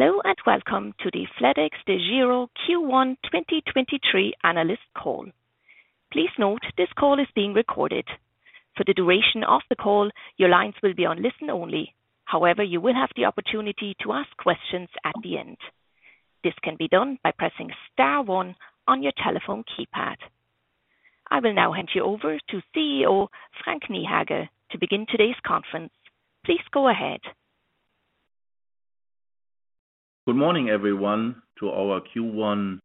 Hello, welcome to the flatexDEGIRO Q1 2023 analyst call. Please note this call is being recorded. For the duration of the call, your lines will be on listen only. However, you will have the opportunity to ask questions at the end. This can be done by pressing star one on your telephone keypad. I will now hand you over to CEO Frank Niehage to begin today's conference. Please go ahead. Good morning, everyone, to our Q1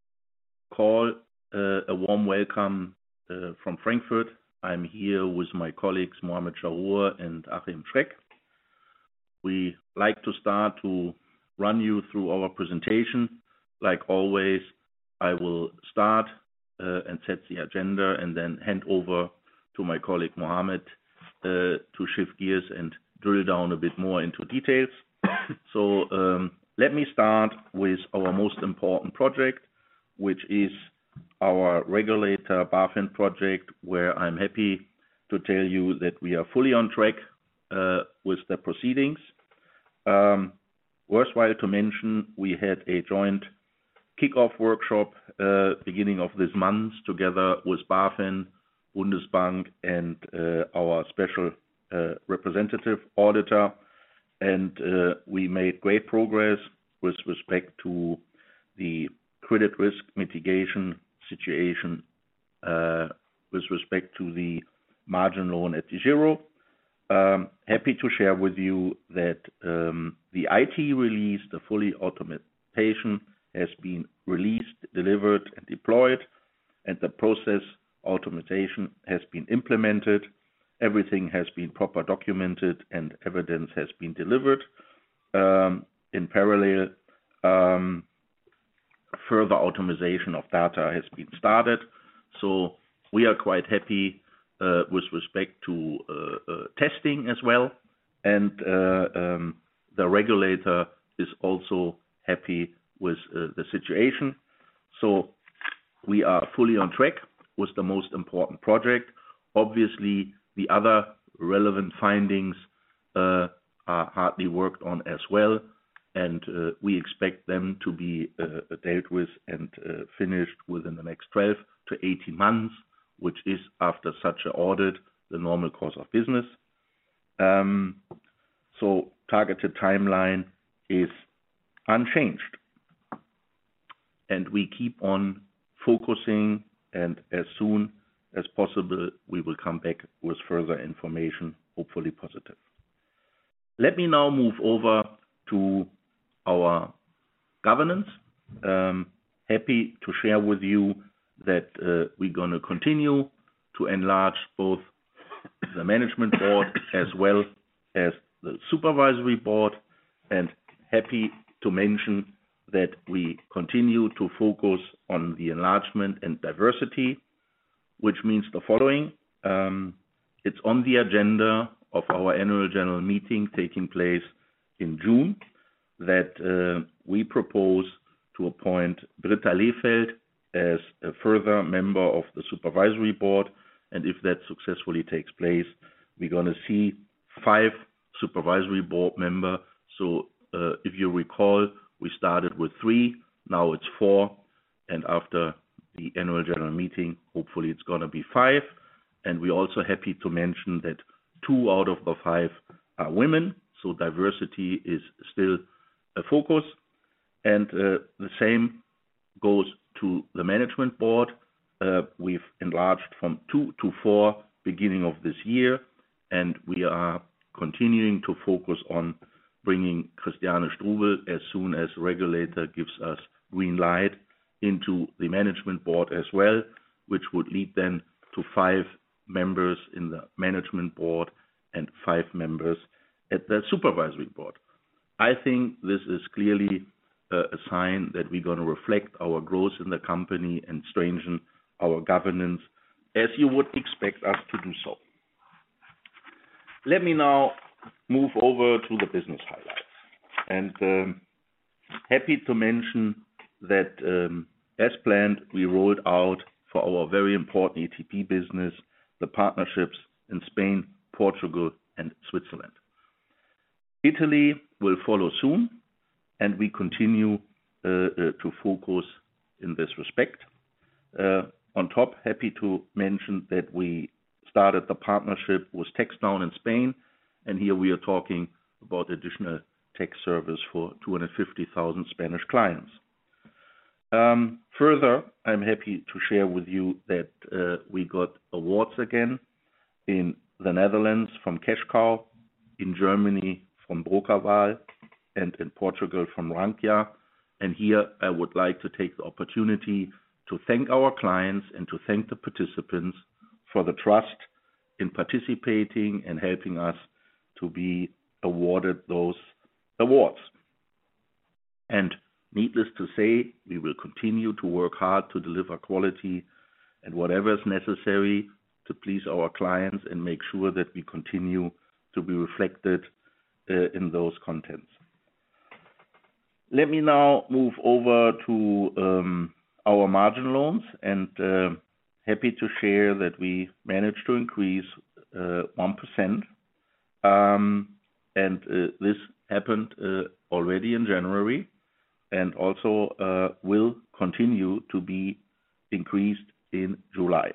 call. A warm welcome from Frankfurt. I'm here with my colleagues Muhamad Chahrour and Achim Schreck. We like to start to run you through our presentation. Like always, I will start and set the agenda and then hand over to my colleague Mohamad to shift gears and drill down a bit more into details. Let me start with our most important project, which is our regulator BaFin project, where I'm happy to tell you that we are fully on track with the proceedings. Worthwhile to mention we had a joint kickoff workshop beginning of this month together with BaFin, Bundesbank and our special representative auditor. We made great progress with respect to the credit risk mitigation situation with respect to the margin loan at DEGIRO. Happy to share with you that the IT release, the fully automation has been released, delivered, and deployed, and the process automation has been implemented. Everything has been proper documented and evidence has been delivered. In parallel, further automization of data has been started. We are quite happy with respect to testing as well. The regulator is also happy with the situation. We are fully on track with the most important project. Obviously, the other relevant findings are hardly worked on as well, and we expect them to be dealt with and finished within the next 12 to 18 months, which is after such audit the normal course of business. Targeted timeline is unchanged. We keep on focusing, and as soon as possible we will come back with further information, hopefully positive. Let me now move over to our governance. Happy to share with you that we're gonna continue to enlarge both the management board as well as the supervisory board, and happy to mention that we continue to focus on the enlargement and diversity, which means the following. It's on the agenda of our annual general meeting taking place in June that we propose to appoint Britta Lehfeldt as a further member of the supervisory board. If that successfully takes place, we're gonna see five supervisory board member. If you recall, we started with three, now it's four, and after the annual general meeting, hopefully it's gonna be five. We're also happy to mention that two out of the five are women, so diversity is still a focus. The same goes to the management board. We've enlarged from two to four beginning of this year, and we are continuing to focus on bringing Christiane Strubel as soon as regulator gives us green light into the management board as well, which would lead then to five members in the management board and five members at the supervisory board. I think this is clearly a sign that we're gonna reflect our growth in the company and strengthen our governance as you would expect us to do so. Let me now move over to the business highlights. Happy to mention that, as planned, we rolled out for our very important ETP business, the partnerships in Spain, Portugal and Switzerland. Italy will follow soon. We continue to focus in this respect. On top, happy to mention that we started the partnership with TaxDown in Spain. Here we are talking about additional tech service for 250,000 Spanish clients. Further, I'm happy to share with you that we got awards again in the Netherlands from CashCow, in Germany from Brokerwahl, and in Portugal from Rankia. Here I would like to take the opportunity to thank our clients and to thank the participants for the trust in participating and helping us to be awarded those awards. Needless to say, we will continue to work hard to deliver quality and whatever is necessary to please our clients and make sure that we continue to be reflected in those contents. Let me now move over to our margin loans. Happy to share that we managed to increase 1%. This happened already in January and also will continue to be increased in July.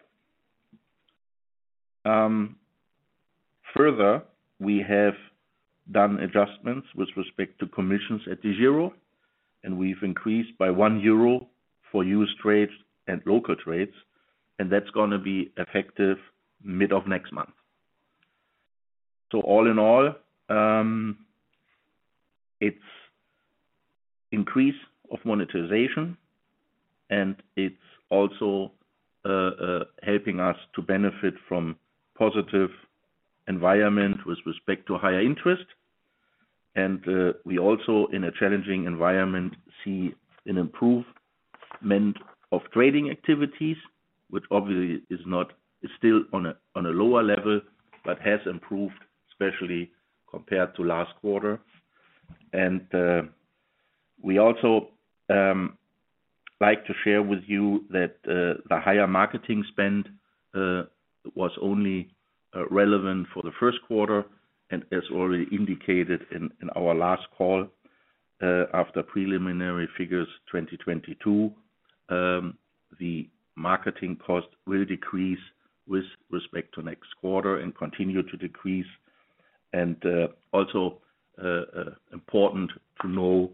Further, we have done adjustments with respect to commissions at DEGIRO, and we've increased by 1 euro for U.S. trades and local trades, and that's going to be effective mid of next month. All in all, it's increase of monetization, and it's also helping us to benefit from positive environment with respect to higher interest. We also in a challenging environment, see an improvement of trading activities, which obviously is still on a lower level, but has improved, especially compared to last quarter. We also like to share with you that the higher marketing spend was only relevant for the first quarter. As already indicated in our last call, after preliminary figures 2022, the marketing cost will decrease with respect to next quarter and continue to decrease. Also, important to know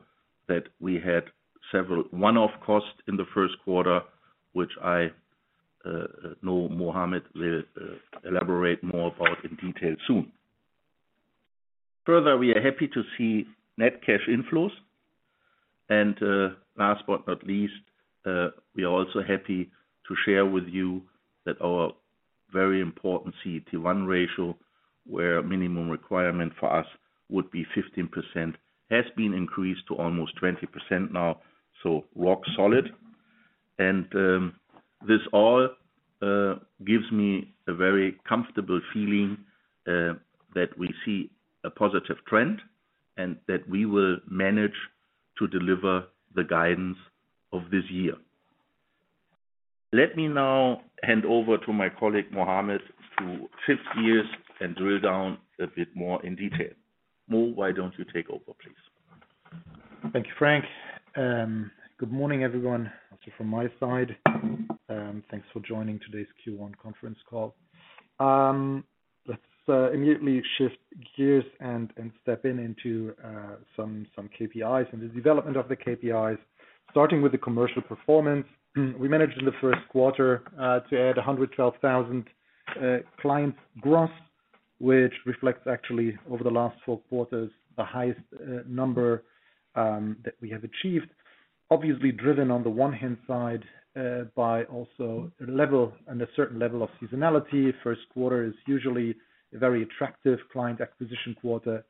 that we had several one-off costs in the first quarter, which I know Muhamad will elaborate more about in detail soon. Further, we are happy to see net cash inflows. Last but not least, we are also happy to share with you that our very important CET1 ratio, where minimum requirement for us would be 15%, has been increased to almost 20% now, so rock solid. This all gives me a very comfortable feeling, that we see a positive trend and that we will manage to deliver the guidance of this year. Let me now hand over to my colleague Mohamad, to shift gears and drill down a bit more in detail. Mo, why don't you take over, please? Thank you, Frank. Good morning, everyone. Also from my side, thanks for joining today's Q1 conference call. Let's immediately shift gears and step into some KPIs and the development of the KPIs. Starting with the commercial performance. We managed in the first quarter to add 112,000 clients gross, which reflects actually over the last four quarters, the highest number that we have achieved. Obviously driven on the one hand side by also a level and a certain level of seasonality. First quarter is usually a very attractive client acquisition quarter,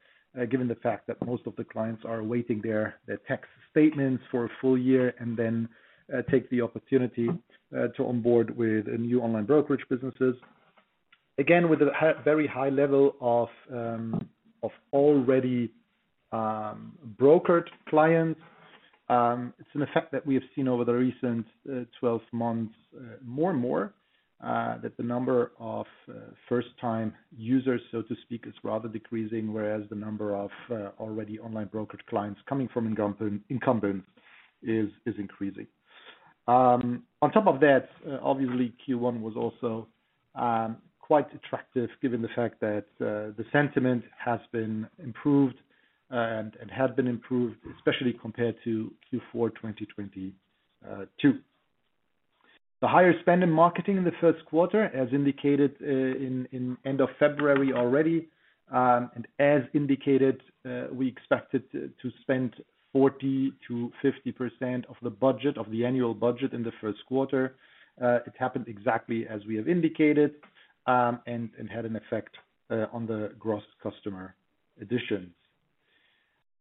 given the fact that most of the clients are awaiting their tax statements for a full year and then take the opportunity to onboard with new online brokerage businesses. Again, with a very high level of already brokered clients. It's an effect that we have seen over the recent 12 months, more and more, that the number of first time users, so to speak, is rather decreasing, whereas the number of already online brokered clients coming from incumbent is increasing. On top of that, obviously Q1 was also quite attractive given the fact that the sentiment has been improved and had been improved, especially compared to Q4 2022. The higher spend in marketing in the first quarter, as indicated in end of February already. As indicated, we expected to spend 40%-50% of the budget, of the annual budget in the first quarter. It happened exactly as we have indicated, and had an effect on the gross customer additions.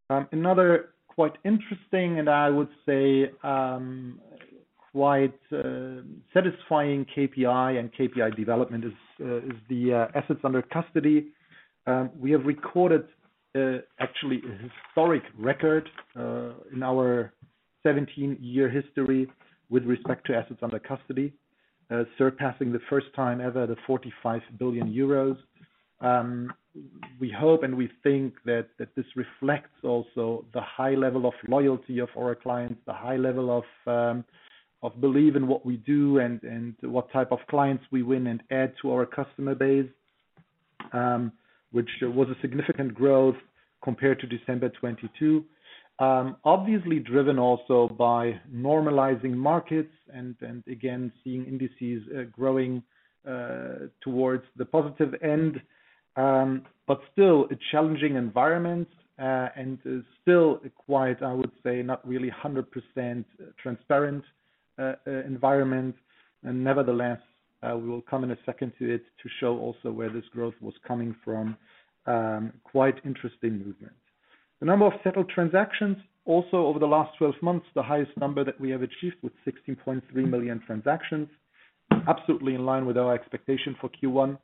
Another quite interesting, and I would say, quite satisfying KPI and KPI development is the assets under custody. We have recorded actually a historic record in our 17-year history with respect to assets under custody, surpassing the first time ever the 45 billion euros. We hope and we think that this reflects also the high level of loyalty of our clients, the high level of belief in what we do and what type of clients we win and add to our customer base, which was a significant growth compared to December 2022. Obviously driven also by normalizing markets and again, seeing indices growing towards the positive end. But still a challenging environment, and still quite, I would say, not really 100% transparent environment. Nevertheless, we will come in a second to it to show also where this growth was coming from. Quite interesting movement. The number of settled transactions also over the last 12 months, the highest number that we have achieved with 16.3 million transactions. Absolutely in line with our expectation for Q1.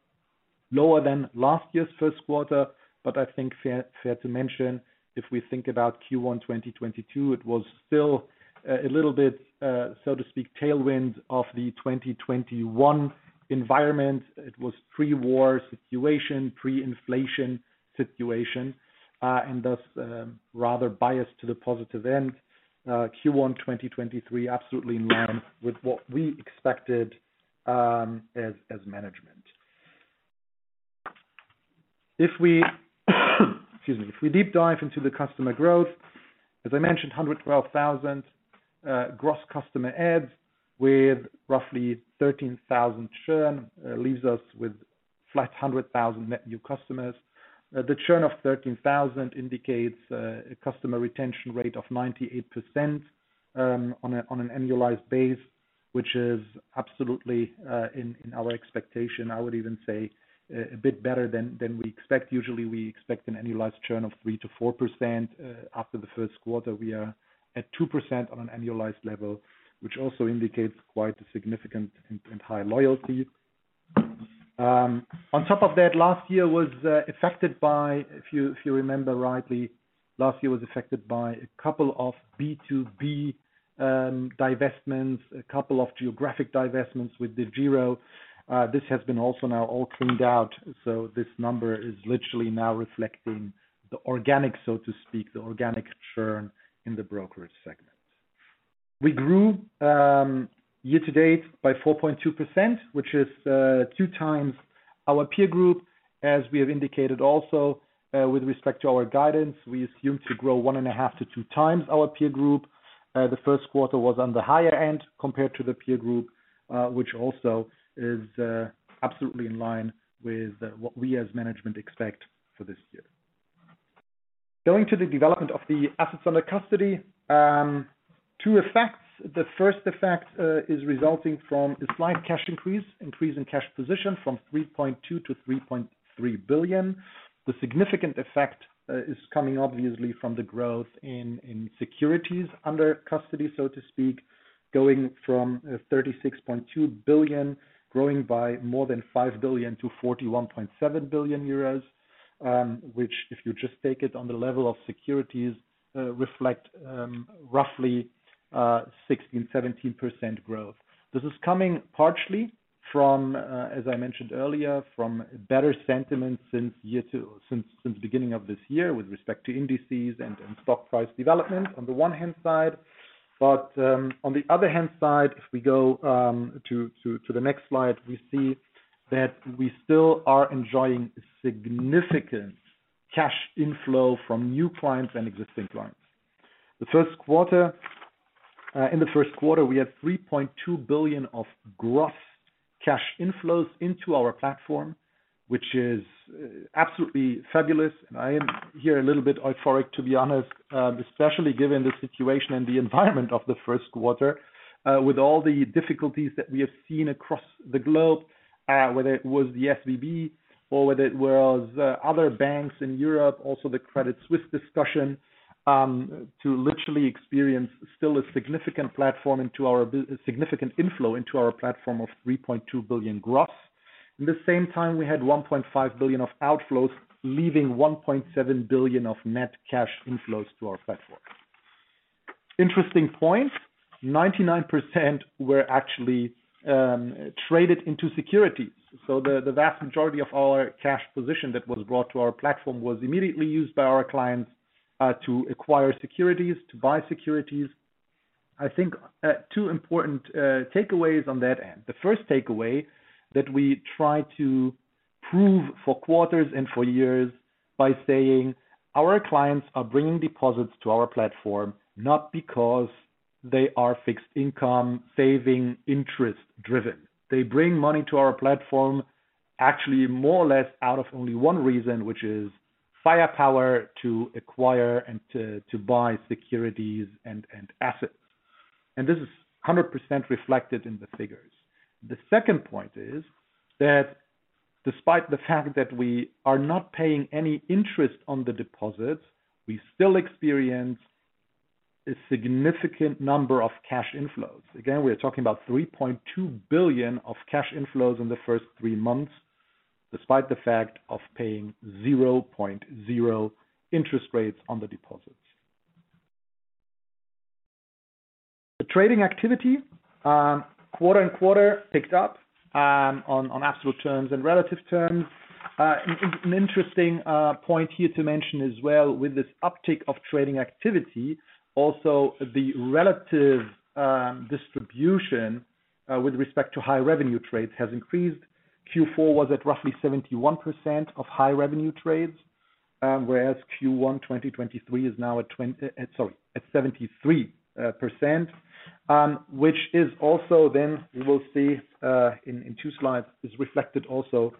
Lower than last year's first quarter, but I think fair to mention, if we think about Q1 2022, it was still a little bit, so to speak, tailwind of the 2021 environment. It was pre-war situation, pre-inflation situation, and thus, rather biased to the positive end. Q1 2023 absolutely in line with what we expected, as management. If we excuse me. If we deep dive into the customer growth, as I mentioned, 112,000 gross customer adds with roughly 13,000 churn, leaves us with flat 100,000 net new customers. The churn of 13,000 indicates a customer retention rate of 98% on an annualized base, which is absolutely in our expectation. I would even say a bit better than we expect. Usually, we expect an annualized churn of 3%-4%. After the first quarter, we are at 2% on an annualized level, which also indicates quite a significant and high loyalty. On top of that, last year was affected by, if you remember rightly, last year was affected by a couple of B2B divestments, a couple of geographic divestments with DEGIRO. This has been also now all cleaned out, so this number is literally now reflecting the organic, so to speak, the organic churn in the brokerage segment. We grew year-to-date by 4.2%, which is 2x our peer group, as we have indicated also. With respect to our guidance, we assume to grow 1.5x-2x our peer group. The first quarter was on the higher end compared to the peer group, which also is absolutely in line with what we as management expect for this year. Going to the development of the assets under custody, two effects. The first effect is resulting from a slight cash increase in cash position from 3.2 billion-3.3 billion. The significant effect is coming obviously from the growth in securities under custody, so to speak, going from 36.2 billion, growing by more than 5 billion to 41.7 billion euros, which if you just take it on the level of securities, reflect roughly 16%-17% growth. This is coming partially from, as I mentioned earlier, from better sentiment since the beginning of this year with respect to indices and stock price development on the one hand side. On the other hand side, if we go to the next slide, we see that we still are enjoying significant cash inflow from new clients and existing clients. The first quarter... In the first quarter, we had 3.2 billion of gross cash inflows into our platform, which is absolutely fabulous. I am here a little bit euphoric, to be honest, especially given the situation and the environment of the first quarter, with all the difficulties that we have seen across the globe, whether it was the SVB or whether it was other banks in Europe, also the Credit Suisse discussion, to literally experience still a significant inflow into our platform of 3.2 billion gross. In the same time, we had 1.5 billion of outflows, leaving 1.7 billion of net cash inflows to our platform. Interesting point, 99% were actually traded into securities. The vast majority of our cash position that was brought to our platform was immediately used by our clients to acquire securities, to buy securities. I think two important takeaways on that end. The first takeaway that we try to prove for quarters and for years by saying our clients are bringing deposits to our platform not because they are fixed income saving interest-driven. They bring money to our platform actually more or less out of only one reason, which is firepower to acquire and to buy securities and assets. This is 100% reflected in the figures. The second point is that despite the fact that we are not paying any interest on the deposits, we still experience a significant number of cash inflows. We're talking about 3.2 billion of cash inflows in the first three months, despite the fact of paying 0.0% interest rates on the deposits. The trading activity quarter-over-quarter picked up on absolute terms and relative terms. An interesting point here to mention as well with this uptick of trading activity, also the relative distribution with respect to high revenue trades has increased. Q4 was at roughly 71% of high revenue trades, whereas Q1 2023 is now at 73%, which is also then we will see in two slides, is reflected also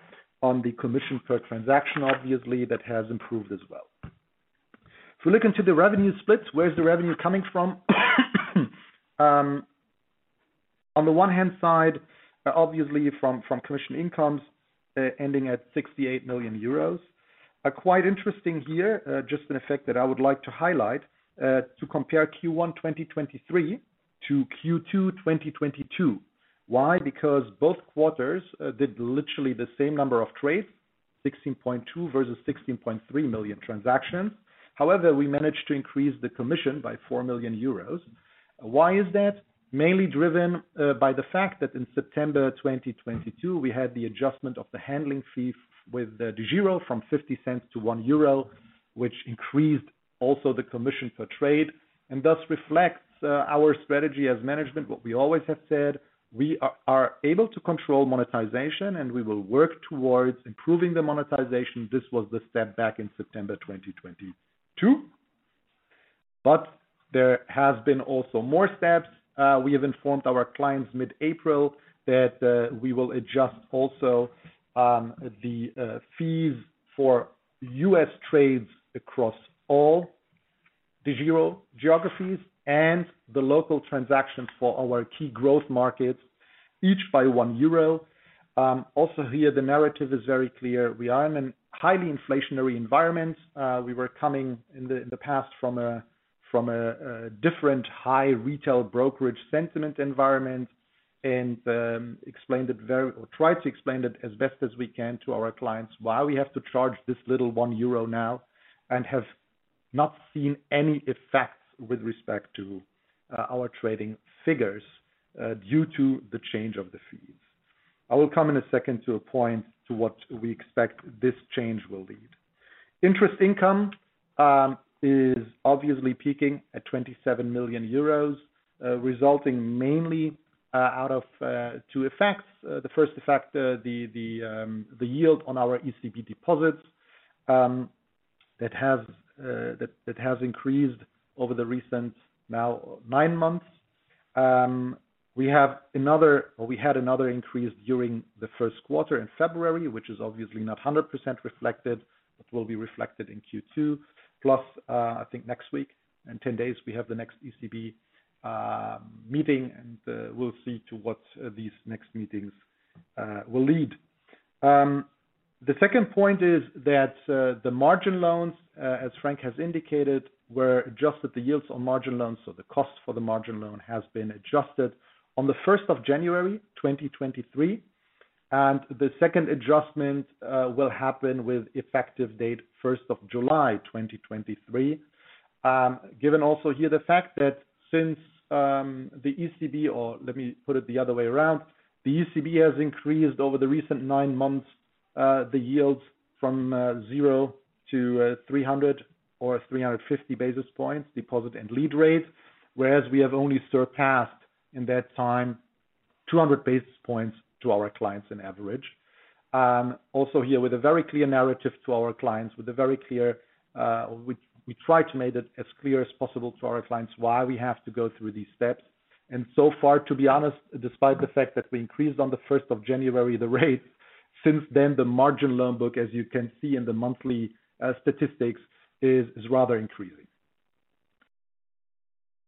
on the commission per transaction, obviously, that has improved as well. If we look into the revenue splits, where is the revenue coming from? On the one hand side, obviously from commission incomes, ending at 68 million euros. A quite interesting here, just an effect that I would like to highlight, to compare Q1 2023 to Q2 2022. Why? Because both quarters did literally the same number of trades, 16.2 million versus 16.3 million transactions. However, we managed to increase the commission by 4 million euros. Why is that? Mainly driven by the fact that in September 2022, we had the adjustment of the handling fee with DEGIRO from 0.50 to 1 euro, which increased also the commission per trade, and thus reflects our strategy as management. What we always have said, we are able to control monetization, and we will work towards improving the monetization. This was the step back in September 2022. There has been also more steps. We have informed our clients mid-April that we will adjust also the fees for U.S. trades across all DEGIRO geographies and the local transactions for our key growth markets, each b 1 euro. Also here, the narrative is very clear. We are in an highly inflationary environment. We were coming in the, in the past from a, from a different high retail brokerage sentiment environment, and tried to explain it as best as we can to our clients, why we have to charge this little 1 euro now and have not seen any effects with respect to our trading figures due to the change of the fees. I will come in a second to a point to what we expect this change will lead. Interest income is obviously peaking at 27 million euros, resulting mainly out of two effects. The first effect, the yield on our ECB deposits, that has increased over the recent now nine months. We had another increase during the first quarter in February, which is obviously not 100% reflected. It will be reflected in Q2. I think next week, in 10 days, we have the next ECB meeting, and we'll see to what these next meetings will lead. The second point is that the margin loans, as Frank has indicated, were adjusted the yields on margin loans. The cost for the margin loan has been adjusted on the January 1st, 2023, and the second adjustment will happen with effective date July 1st, 2023. Given also here the fact that since the ECB, or let me put it the other way around, the ECB has increased over the recent 9 months, the yields from 0 to 300 or 350 basis points deposit and lead rates, whereas we have only surpassed in that time 200 basis points to our clients in average. Also here with a very clear narrative to our clients, with a very clear, we try to make it as clear as possible to our clients why we have to go through these steps. So far, to be honest, despite the fact that we increased on the first of January, the rates since then, the margin loan book, as you can see in the monthly statistics, is rather increasing.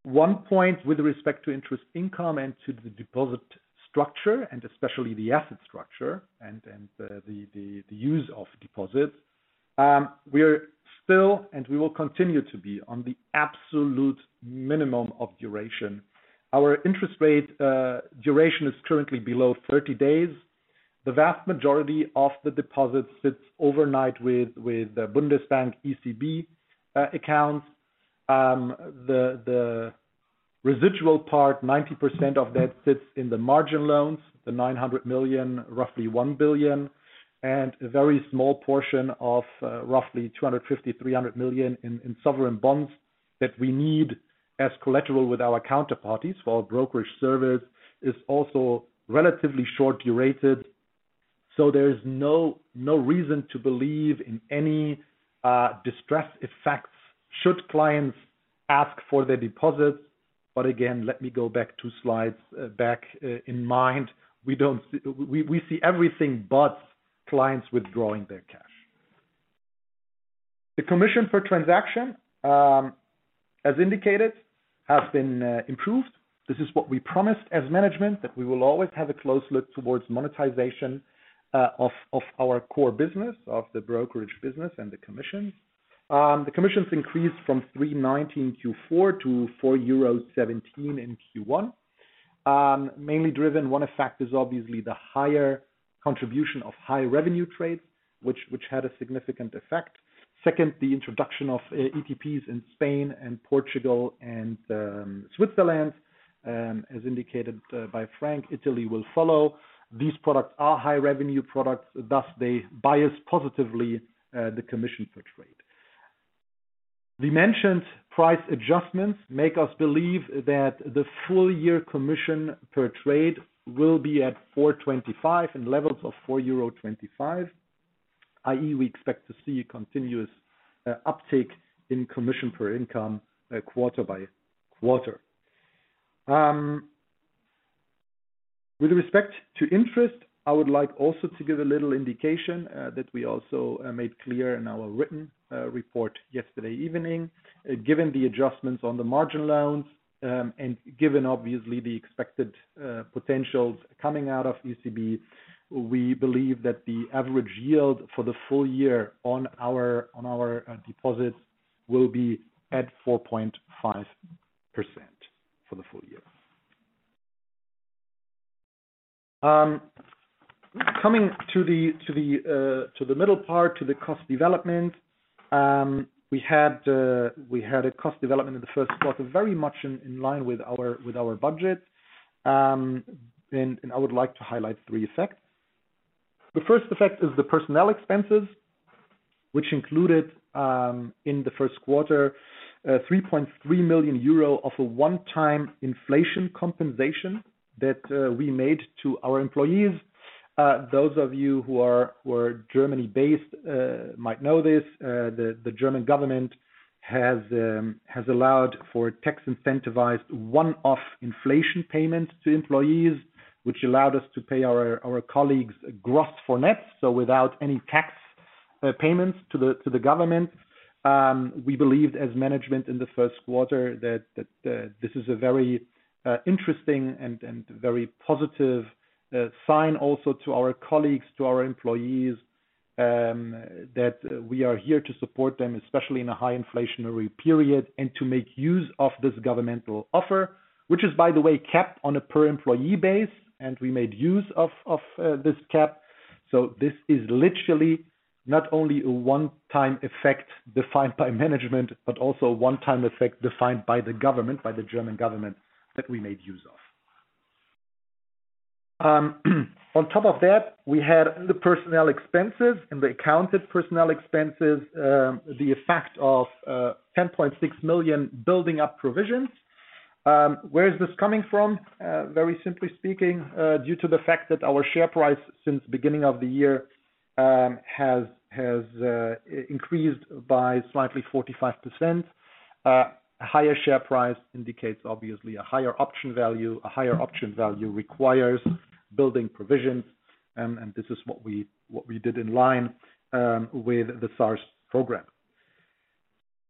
One point with respect to interest income and to the deposit structure, and especially the asset structure and the use of deposits. We're still, and we will continue to be on the absolute minimum of duration. Our interest rate duration is currently below 30 days. The vast majority of the deposits sits overnight with Bundesbank ECB accounts. The residual part, 90% of that sits in the margin loans, the 900 million, roughly 1 billion, and a very small portion of roughly 250 million-300 million in sovereign bonds that we need as collateral with our counterparties for our brokerage service is also relatively short-durated. There is no reason to believe in any distress effects should clients ask for their deposits. Again, let me go back two slides back in mind. We see everything but clients withdrawing their cash. The commission per transaction, as indicated, has been improved. This is what we promised as management, that we will always have a close look towards monetization of our core business, of the brokerage business and the commission. The commission's increased from 3.19 Q4 to 4.17 euros in Q1. Mainly driven one effect is obviously the higher contribution of high revenue trades, which had a significant effect. Second, the introduction of ETPs in Spain and Portugal and Switzerland. As indicated by Frank, Italy will follow. These products are high revenue products, thus they bias positively the commission per trade. The mentioned price adjustments make us believe that the full year commission per trade will be at 4.25 and levels of 4.25 euro, i.e., we expect to see continuous uptake in commission per income quarter by quarter. With respect to interest, I would like also to give a little indication that we also made clear in our written report yesterday evening. Given the adjustments on the margin loans, and given obviously the expected potentials coming out of ECB, we believe that the average yield for the full year on our deposits will be at 4.5% for the full year. Coming to the middle part, to the cost development. We had a cost development in the first quarter very much in line with our budget. I would like to highlight three effects. The first effect is the personnel expenses, which included in the first quarter 3.3 million euro of a one-time inflation compensation that we made to our employees. Those of you who are Germany-based might know this, the German government has allowed for a tax-incentivized one-off inflation payment to employees, which allowed us to pay our colleagues gross for net, so without any tax payments to the government. We believed as management in the first quarter that this is a very interesting and very positive sign also to our colleagues, to our employees, that we are here to support them, especially in a high inflationary period, and to make use of this governmental offer, which is, by the way, capped on a per employee base, and we made use of this cap. This is literally not only a one-time effect defined by management, but also a one-time effect defined by the government, by the German government that we made use of. On top of that, we had the personnel expenses, in the accounted personnel expenses, the effect of 10.6 million building up provisions. Where is this coming from? Very simply speaking, due to the fact that our share price since the beginning of the year, has increased by slightly 45%. Higher share price indicates obviously a higher option value. A higher option value requires building provisions, and this is what we did in line with the SARs program.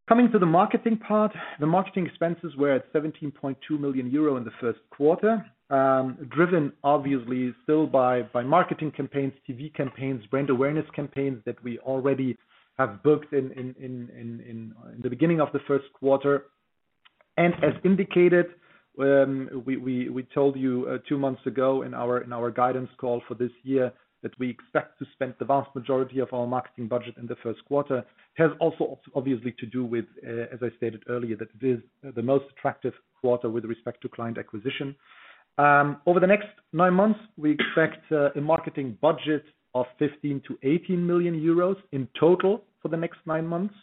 Coming to the marketing part. The marketing expenses were at 17.2 million euro in the first quarter, driven obviously still by marketing campaigns, TV campaigns, brand awareness campaigns that we already have booked in the beginning of the first quarter. As indicated, we told you two months ago in our guidance call for this year that we expect to spend the vast majority of our marketing budget in the first quarter, has also obviously to do with as I stated earlier, that this is the most attractive quarter with respect to client acquisition. Over the next nine months, we expect a marketing budget of 15 million-18 million euros in total for the next nine months.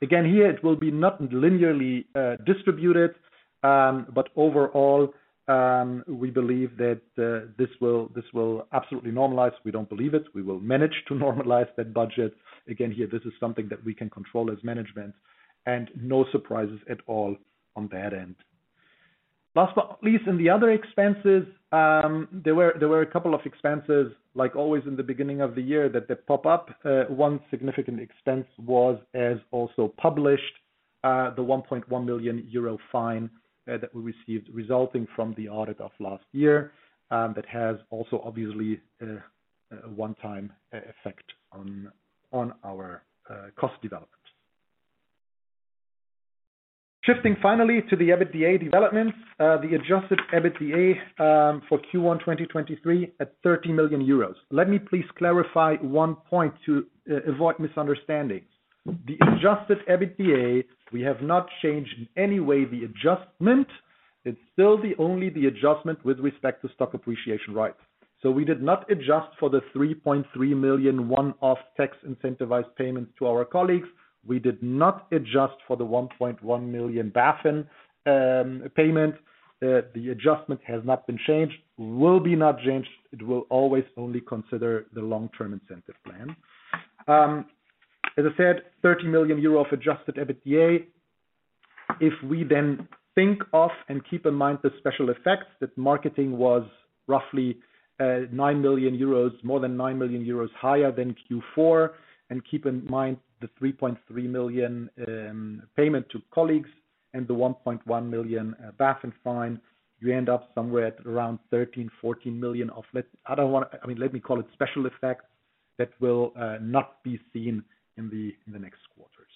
Here it will be not linearly distributed, but overall, we believe that this will absolutely normalize. We don't believe it. We will manage to normalize that budget. Here, this is something that we can control as management and no surprises at all on that end. Last but not least, in the other expenses, there were a couple of expenses, like always in the beginning of the year that they pop up. One significant expense was as also published, the 1.1 million euro fine that we received resulting from the audit of last year. That has also obviously a one-time effect on our cost development. Shifting finally to the EBITDA developments. The adjusted EBITDA for Q1 2023 at 30 million euros. Let me please clarify one point to avoid misunderstanding. The adjusted EBITDA, we have not changed in any way the adjustment. It's still the only the adjustment with respect to stock appreciation rights. We did not adjust for the 3.3 million one-off tax incentivized payments to our colleagues. We did not adjust for the 1.1 million BaFin payment. The adjustment has not been changed, will be not changed. It will always only consider the long-term incentive plan. As I said, 30 million euro of adjusted EBITDA. If we then think of and keep in mind the special effects, that marketing was roughly 9 million euros, more than 9 million euros higher than Q4, and keep in mind the 3.3 million payment to colleagues and the 1.1 million BaFin fine, you end up somewhere at around 13 million-14 million of let me call it special effects that will not be seen in the next quarters.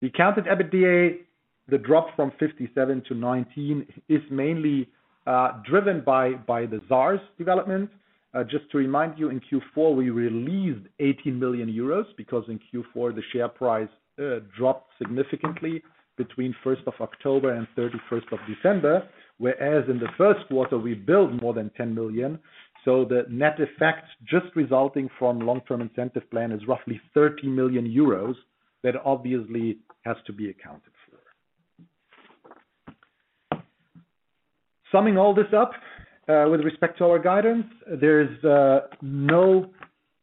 The accounted EBITDA, the drop from 57 to 19 is mainly driven by the SARs development. Just to remind you, in Q4, we released 18 million euros because in Q4, the share price dropped significantly between October 1st and December 31st, whereas in the first quarter, we built more than 10 million. The net effect just resulting from long-term incentive plan is roughly 30 million euros that obviously has to be accounted for. Summing all this up, with respect to our guidance, there is no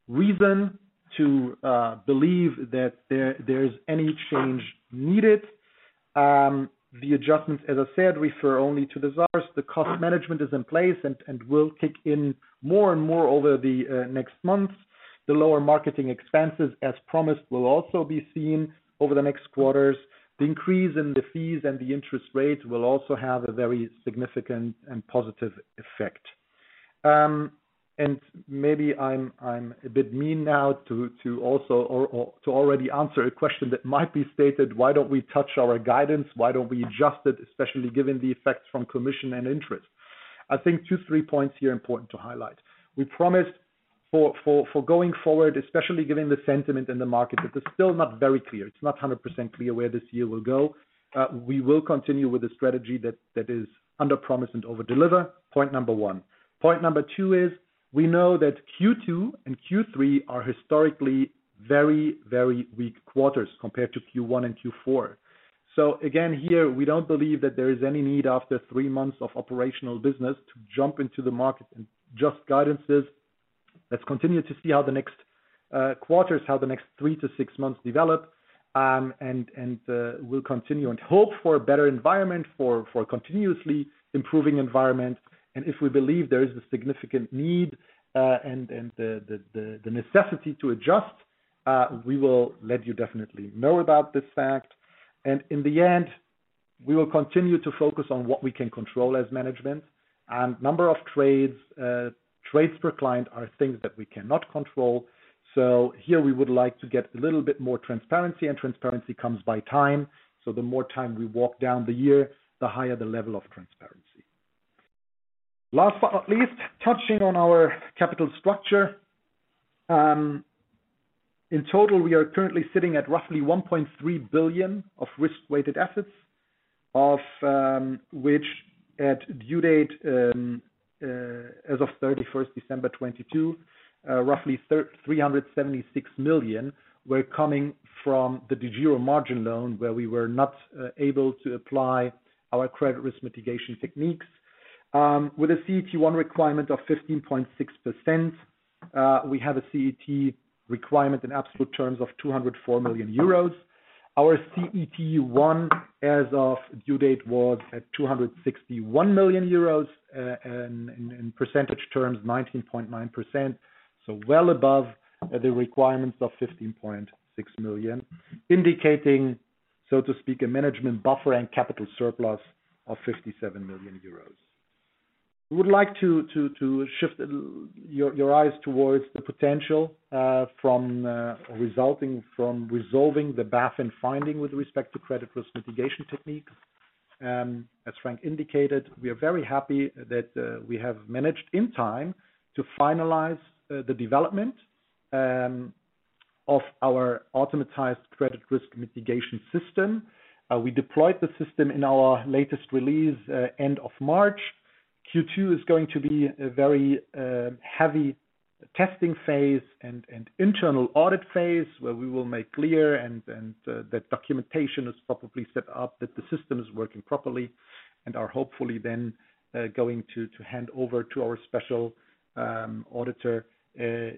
reason to believe that there is any change needed. The adjustments, as I said, refer only to the SARs. The cost management is in place and will kick in more and more over the next months. The lower marketing expenses, as promised, will also be seen over the next quarters. The increase in the fees and the interest rates will also have a very significant and positive effect. Maybe I'm a bit mean now to also or to already answer a question that might be stated, why don't we touch our guidance? Why don't we adjust it, especially given the effects from commission and interest? I think two, three points here important to highlight. We promised for going forward, especially given the sentiment in the market, that it's still not very clear. It's not 100% clear where this year will go. We will continue with the strategy that is under promise and over-deliver. Point number one. Point number two is we know that Q2 and Q3 are historically very weak quarters compared to Q1 and Q4. Again, here, we don't believe that there is any need after three months of operational business to jump into the market adjust guidances. Let's continue to see how the next quarters, how the next three to six months develop, and we'll continue and hope for a better environment for continuously improving environment. If we believe there is a significant need, and the necessity to adjust, we will let you definitely know about this fact. In the end, we will continue to focus on what we can control as management and number of trades per client are things that we cannot control. Here we would like to get a little bit more transparency, and transparency comes by time. The more time we walk down the year, the higher the level of transparency. Last but not least, touching on our capital structure. In total, we are currently sitting at roughly 1.3 billion of risk-weighted assets, which at due date, as of December 31st, 2022, roughly 376 million were coming from the DEGIRO margin loan where we were not able to apply our credit risk mitigation techniques. With a CET1 requirement of 15.6%, we have a CET requirement in absolute terms of 204 million euros. Our CET1 as of due date was at 261 million euros, in percentage terms, 19.9%. Well above the requirements of 15.6%, indicating, so to speak, a management buffer and capital surplus of 57 million euros. We would like to shift your eyes towards the potential from resulting from resolving the BaFin finding with respect to credit risk mitigation technique. As Frank indicated, we are very happy that we have managed in time to finalize the development of our automatized credit risk mitigation system. We deployed the system in our latest release end of March. Q2 is going to be a very heavy testing phase and internal audit phase where we will make clear and that documentation is properly set up, that the system is working properly, and are hopefully then going to hand over to our special auditor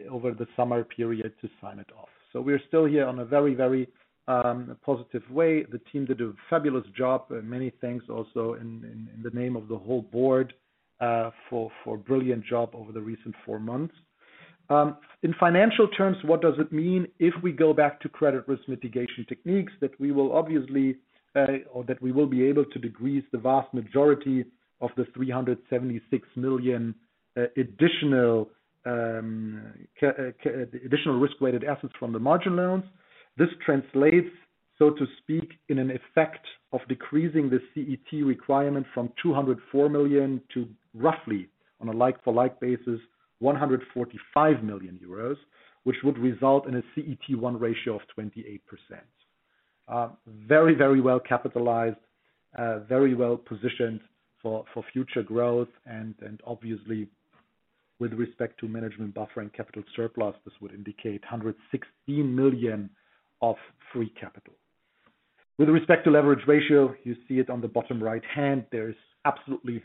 over the summer period to sign it off. We're still here on a very positive way. The team did a fabulous job, many thanks also in the name of the whole board, for brilliant job over the recent four months. In financial terms, what does it mean if we go back to credit risk mitigation techniques that we will obviously, or that we will be able to decrease the vast majority of the 376 million additional risk-weighted assets from the margin loans? This translates, so to speak, in an effect of decreasing the CET requirement from 204 million to roughly on a like-for-like basis, 145 million euros, which would result in a CET1 ratio of 28%. Very well capitalized, very well positioned for future growth. Obviously with respect to management buffer and capital surplus, this would indicate 116 million of free capital. With respect to leverage ratio, you see it on the bottom right hand. There is absolutely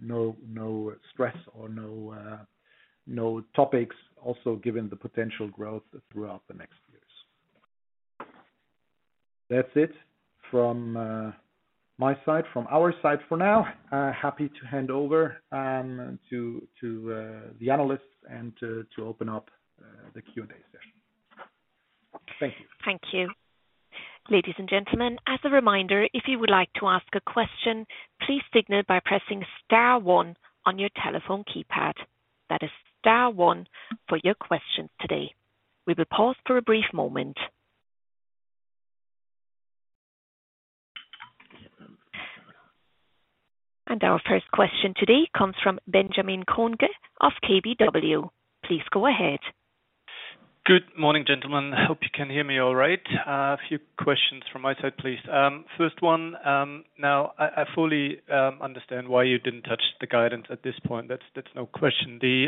no stress or no topics also given the potential growth throughout the next years. That's it from my side, from our side for now. Happy to hand over to the analysts and to open up the Q&A session. Thank you. Thank you. Ladies and gentlemen, as a reminder, if you would like to ask a question, please signal by pressing star one on your telephone keypad. That is star one for your questions today. We will pause for a brief moment. Our first question today comes from Benjamin Kohnke of KBW. Please go ahead. Good morning, gentlemen. Hope you can hear me all right. A few questions from my side, please. first one, now I fully understand why you didn't touch the guidance at this point. That's no question. The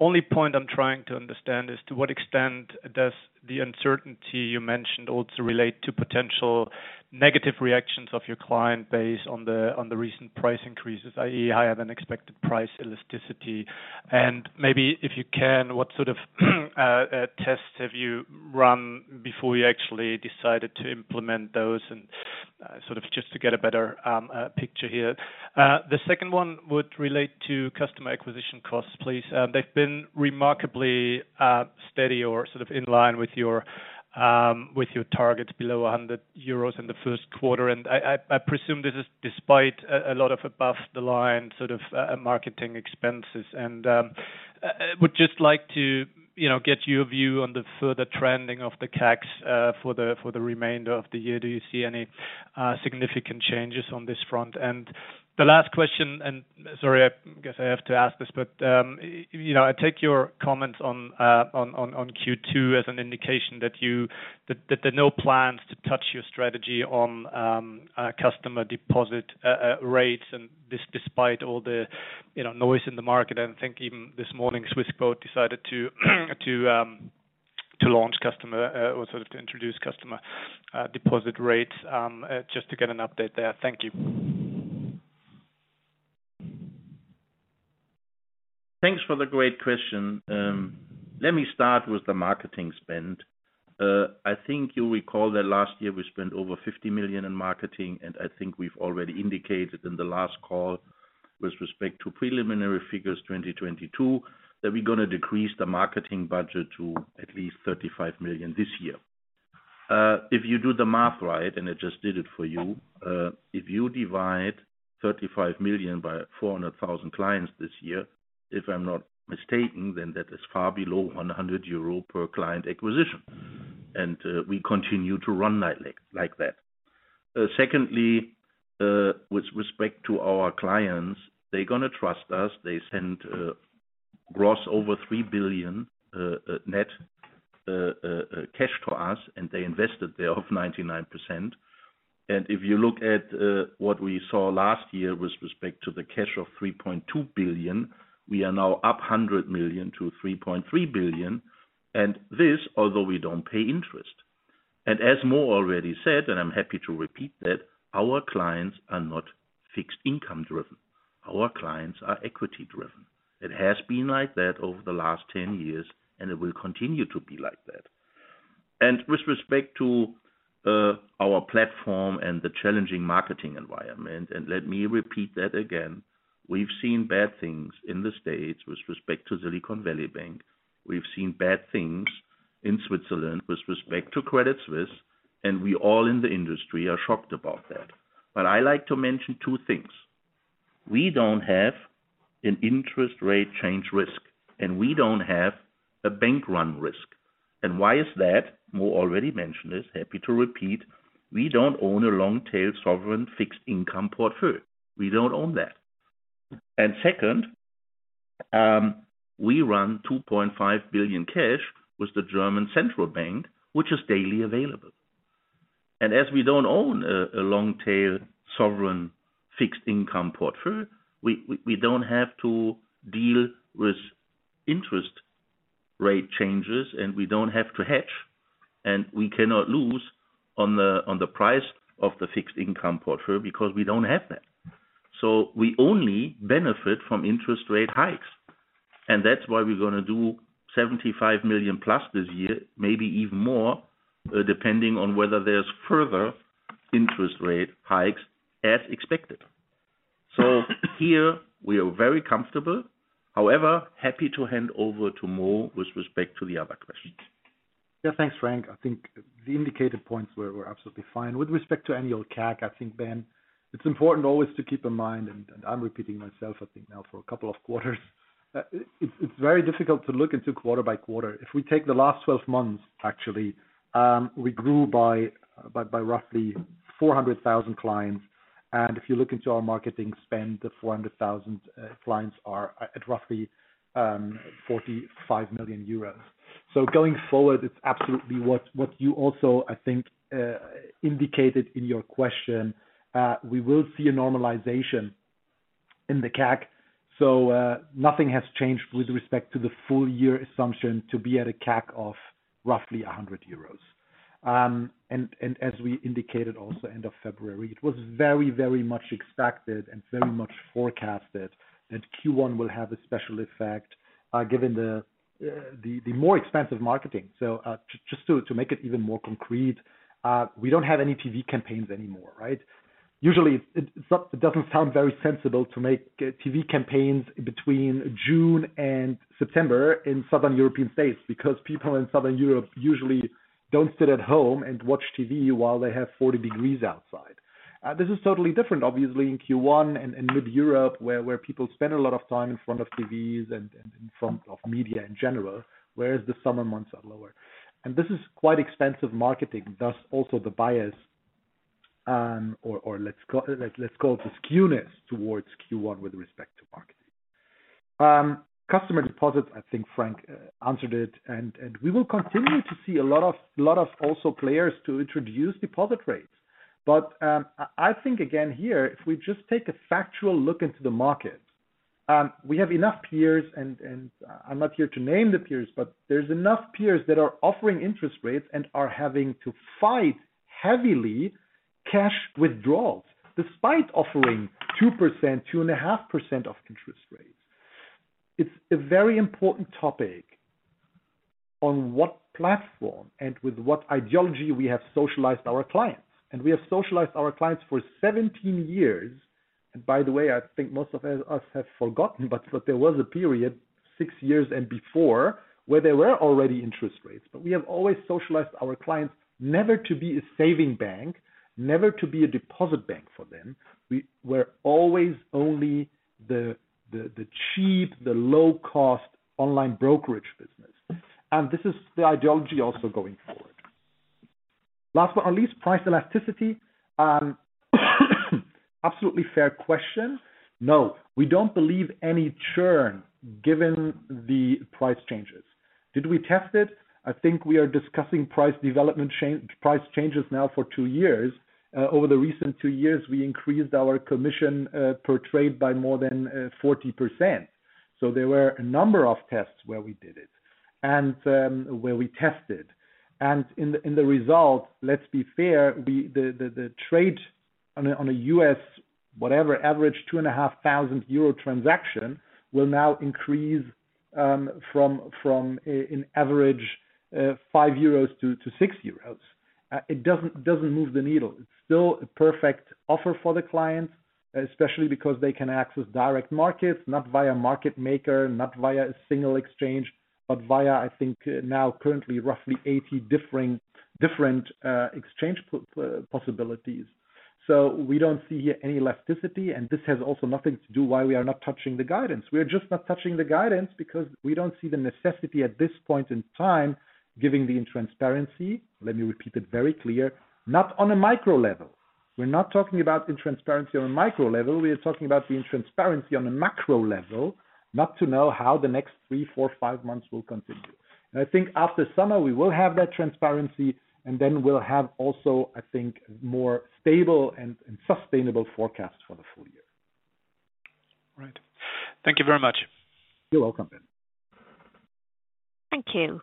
only point I'm trying to understand is to what extent does the uncertainty you mentioned also relate to potential negative reactions of your client base on the recent price increases, i.e., higher than expected price elasticity? Maybe if you can, what sort of tests have you run before you actually decided to implement those and sort of just to get a better picture here? The second one would relate to customer acquisition costs, please. They've been remarkably steady or sort of in line with your With your targets below 100 euros in the first quarter. I presume this is despite a lot of above the line sort of marketing expenses. Would just like to, you know, get your view on the further trending of the CAC for the remainder of the year. Do you see any significant changes on this front? The last question, sorry, I guess I have to ask this. You know, I take your comments on Q2 as an indication that there are no plans to touch your strategy on customer deposit rates and this despite all the, you know, noise in the market. I think even this morning, Swissquote decided to launch customer or sort of to introduce customer deposit rates just to get an update there. Thank you. Thanks for the great question. Let me start with the marketing spend. I think you'll recall that last year we spent over 50 million in marketing, I think we've already indicated in the last call with respect to preliminary figures 2022, that we're gonna decrease the marketing budget to at least 35 million this year. If you do the math right, and I just did it for you, if you divide 35 million by 400,000 clients this year, if I'm not mistaken, then that is far below 100 euro per client acquisition. We continue to run like that. Secondly, with respect to our clients, they're gonna trust us. They send gross over 3 billion net cash to us, and they invested thereof 99%. If you look at what we saw last year with respect to the cash of 3.2 billion, we are now up 100 million to 3.3 billion. This, although we don't pay interest. As Mo already said, and I'm happy to repeat that, our clients are not fixed income driven. Our clients are equity driven. It has been like that over the last 10 years, and it will continue to be like that. With respect to our platform and the challenging marketing environment, and let me repeat that again, we've seen bad things in the States with respect to Silicon Valley Bank. We've seen bad things in Switzerland with respect to Credit Suisse, and we all in the industry are shocked about that. I like to mention two things. We don't have an interest rate change risk, and we don't have a bank run risk. Why is that? Mo already mentioned this. Happy to repeat. We don't own a long tail sovereign fixed income portfolio. We don't own that. Second, we run 2.5 billion cash with the Deutsche Bundesbank, which is daily available. As we don't own a long tail sovereign fixed income portfolio, we don't have to deal with interest rate changes, and we don't have to hedge, and we cannot lose on the price of the fixed income portfolio because we don't have that. We only benefit from interest rate hikes, and that's why we're gonna do 75 million plus this year, maybe even more, depending on whether there's further interest rate hikes as expected. Here we are very comfortable. Happy to hand over to Mo with respect to the other questions. Thanks, Frank. I think the indicated points were absolutely fine. With respect to annual CAC, I think, Ben, it's important always to keep in mind, and I'm repeating myself I think now for a couple of quarters. It's very difficult to look into quarter by quarter. If we take the last 12 months, actually, we grew by roughly 400,000 clients. If you look into our marketing spend, the 400,000 clients are at roughly 45 million euros. Going forward, it's absolutely what you also, I think, indicated in your question. We will see a normalization in the CAC. Nothing has changed with respect to the full year assumption to be at a CAC of roughly 100 euros. And as we indicated also end of February, it was very, very much expected and very much forecasted that Q1 will have a special effect, given the more expensive marketing. Just to make it even more concrete, we don't have any TV campaigns anymore, right? Usually it's not, it doesn't sound very sensible to make TV campaigns between June and September in Southern European states because people in Southern Europe usually don't sit at home and watch TV while they have 40 degrees outside. This is totally different, obviously, in Q1 and in Mid-Europe where people spend a lot of time in front of TVs and in front of media in general, whereas the summer months are lower. This is quite expensive marketing, thus also the bias, or let's call it the skewness towards Q1 with respect to marketing. Customer deposits, I think Frank answered it. We will continue to see a lot of also players to introduce deposit rates. I think again here, if we just take a factual look into the market, we have enough peers and I'm not here to name the peers, but there's enough peers that are offering interest rates and are having to fight heavily cash withdrawals despite offering 2%, 2.5% of interest rates. It's a very important topic on what platform and with what ideology we have socialized our clients. We have socialized our clients for 17 years. By the way, I think most of us have forgotten, but there was a period six years and before where there were already interest rates. We have always socialized our clients never to be a saving bank, never to be a deposit bank for them. We're always only the cheap, the low cost online brokerage business. This is the ideology also going forward. Last but not least, price elasticity. Absolutely fair question. No, we don't believe any churn given the price changes. Did we test it? I think we are discussing price development price changes now for two years. Over the recent two years, we increased our commission per trade by more than 40%. There were a number of tests where we did it. Where we tested. In the result, let's be fair, the trade on a U.S., whatever, average 2,500 euro transaction will now increase from an average 5 euros to 6 euros. It doesn't move the needle. It's still a perfect offer for the clients, especially because they can access direct markets, not via market maker, not via a single exchange, but via, I think now currently roughly 80 different exchange possibilities. We don't see any elasticity, and this has also nothing to do why we are not touching the guidance. We are just not touching the guidance because we don't see the necessity at this point in time, given the intransparency. Let me repeat it very clear, not on a micro level. We're not talking about the intransparency on a micro level. We are talking about the intransparency on a macro level, not to know how the next three, four, five months will continue. I think after summer, we will have that transparency, and then we'll have also, I think, more stable and sustainable forecast for the full year. Right. Thank you very much. You're welcome. Thank you.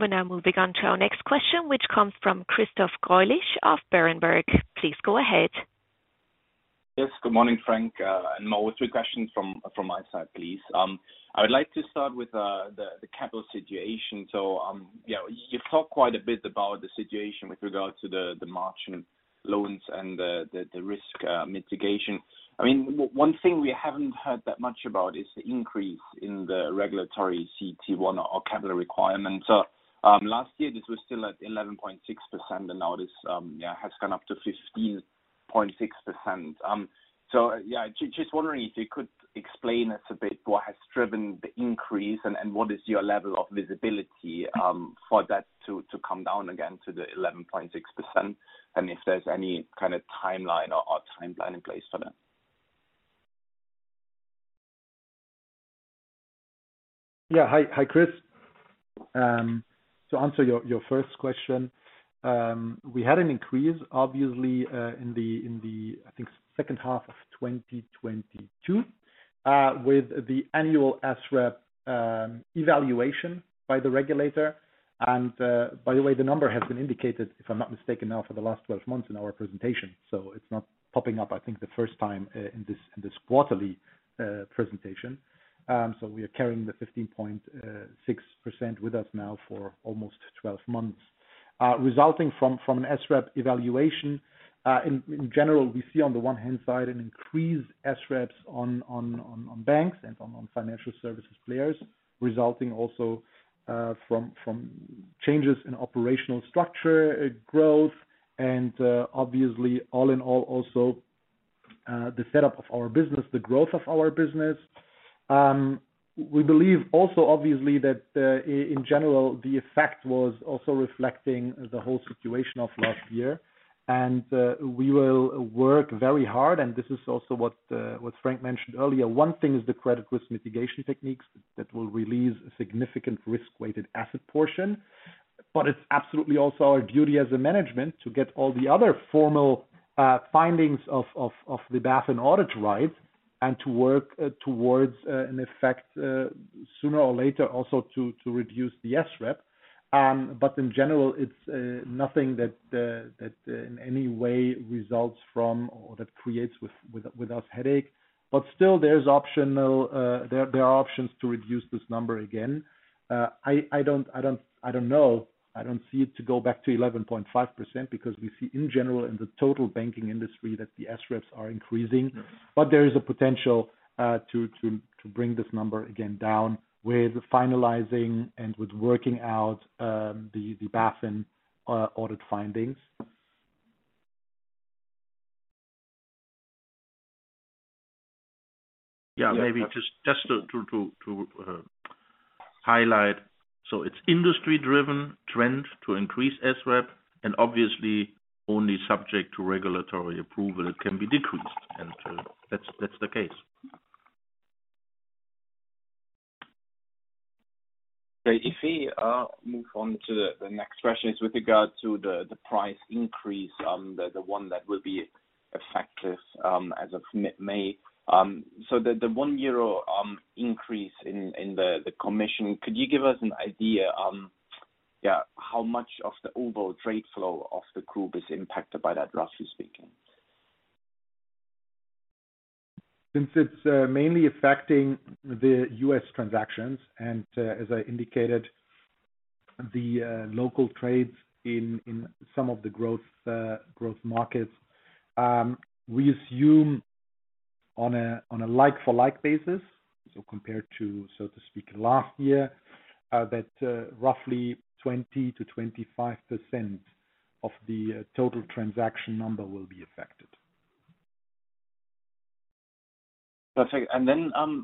We now move again to our next question, which comes from Christoph Greulich of Berenberg. Please go ahead. Yes. Good morning, Frank, and Mo. Three questions from my side, please. I would like to start with the capital situation. You know, you've talked quite a bit about the situation with regards to the margin loans and the risk mitigation. I mean, one thing we haven't heard that much about is the increase in the regulatory CET1 or capital requirement. Last year, this was still at 11.6%, and now this, yeah, has gone up to 15.6%. Yeah, just wondering if you could explain us a bit what has driven the increase and what is your level of visibility for that to come down again to the 11.6%, and if there's any kind of timeline or timeline in place for that. Yeah. Hi, hi, Chris. To answer your first question, we had an increase, obviously, in the, in the, I think, second half of 2022, with the annual SREP evaluation by the regulator. By the way, the number has been indicated, if I'm not mistaken, now for the last 12 months in our presentation. It's not popping up, I think, the first time, in this, in this quarterly presentation. We are carrying the 15.6% with us now for almost 12 months, resulting from an SREP evaluation. In general, we see on the one hand side an increased SREPs on banks and on financial services players, resulting also from changes in operational structure growth and obviously all in all also the setup of our business, the growth of our business. We believe also, obviously, that in general, the effect was also reflecting the whole situation of last year. We will work very hard, and this is also what Frank mentioned earlier. One thing is the credit risk mitigation techniques that will release a significant risk-weighted asset portion. It's absolutely also our duty as a management to get all the other formal findings of the BaFin audit right and to work towards an effect sooner or later also to reduce the SREP. In general, it's nothing that in any way results from or that creates with us headache. Still there's optional, there are options to reduce this number again. I don't know. I don't see it to go back to 11.5% because we see in general in the total banking industry that the SREPs are increasing. There is a potential to bring this number again down with finalizing and with working out the BaFin audit findings. Yeah. Maybe just to highlight. It's industry-driven trend to increase SREP, and obviously only subject to regulatory approval can be decreased. That's the case. Okay. If we move on to the next question is with regard to the price increase, the one that will be effective as of May. The 1 euro increase in the commission, could you give us an idea, yeah, how much of the overall trade flow of the group is impacted by that, roughly speaking? Since it's mainly affecting the U.S. transactions, and as I indicated, the local trades in some of the growth markets. We assume on a like-for-like basis, so compared to, so to speak, last year, that roughly 20%-25% of the total transaction number will be affected. Perfect.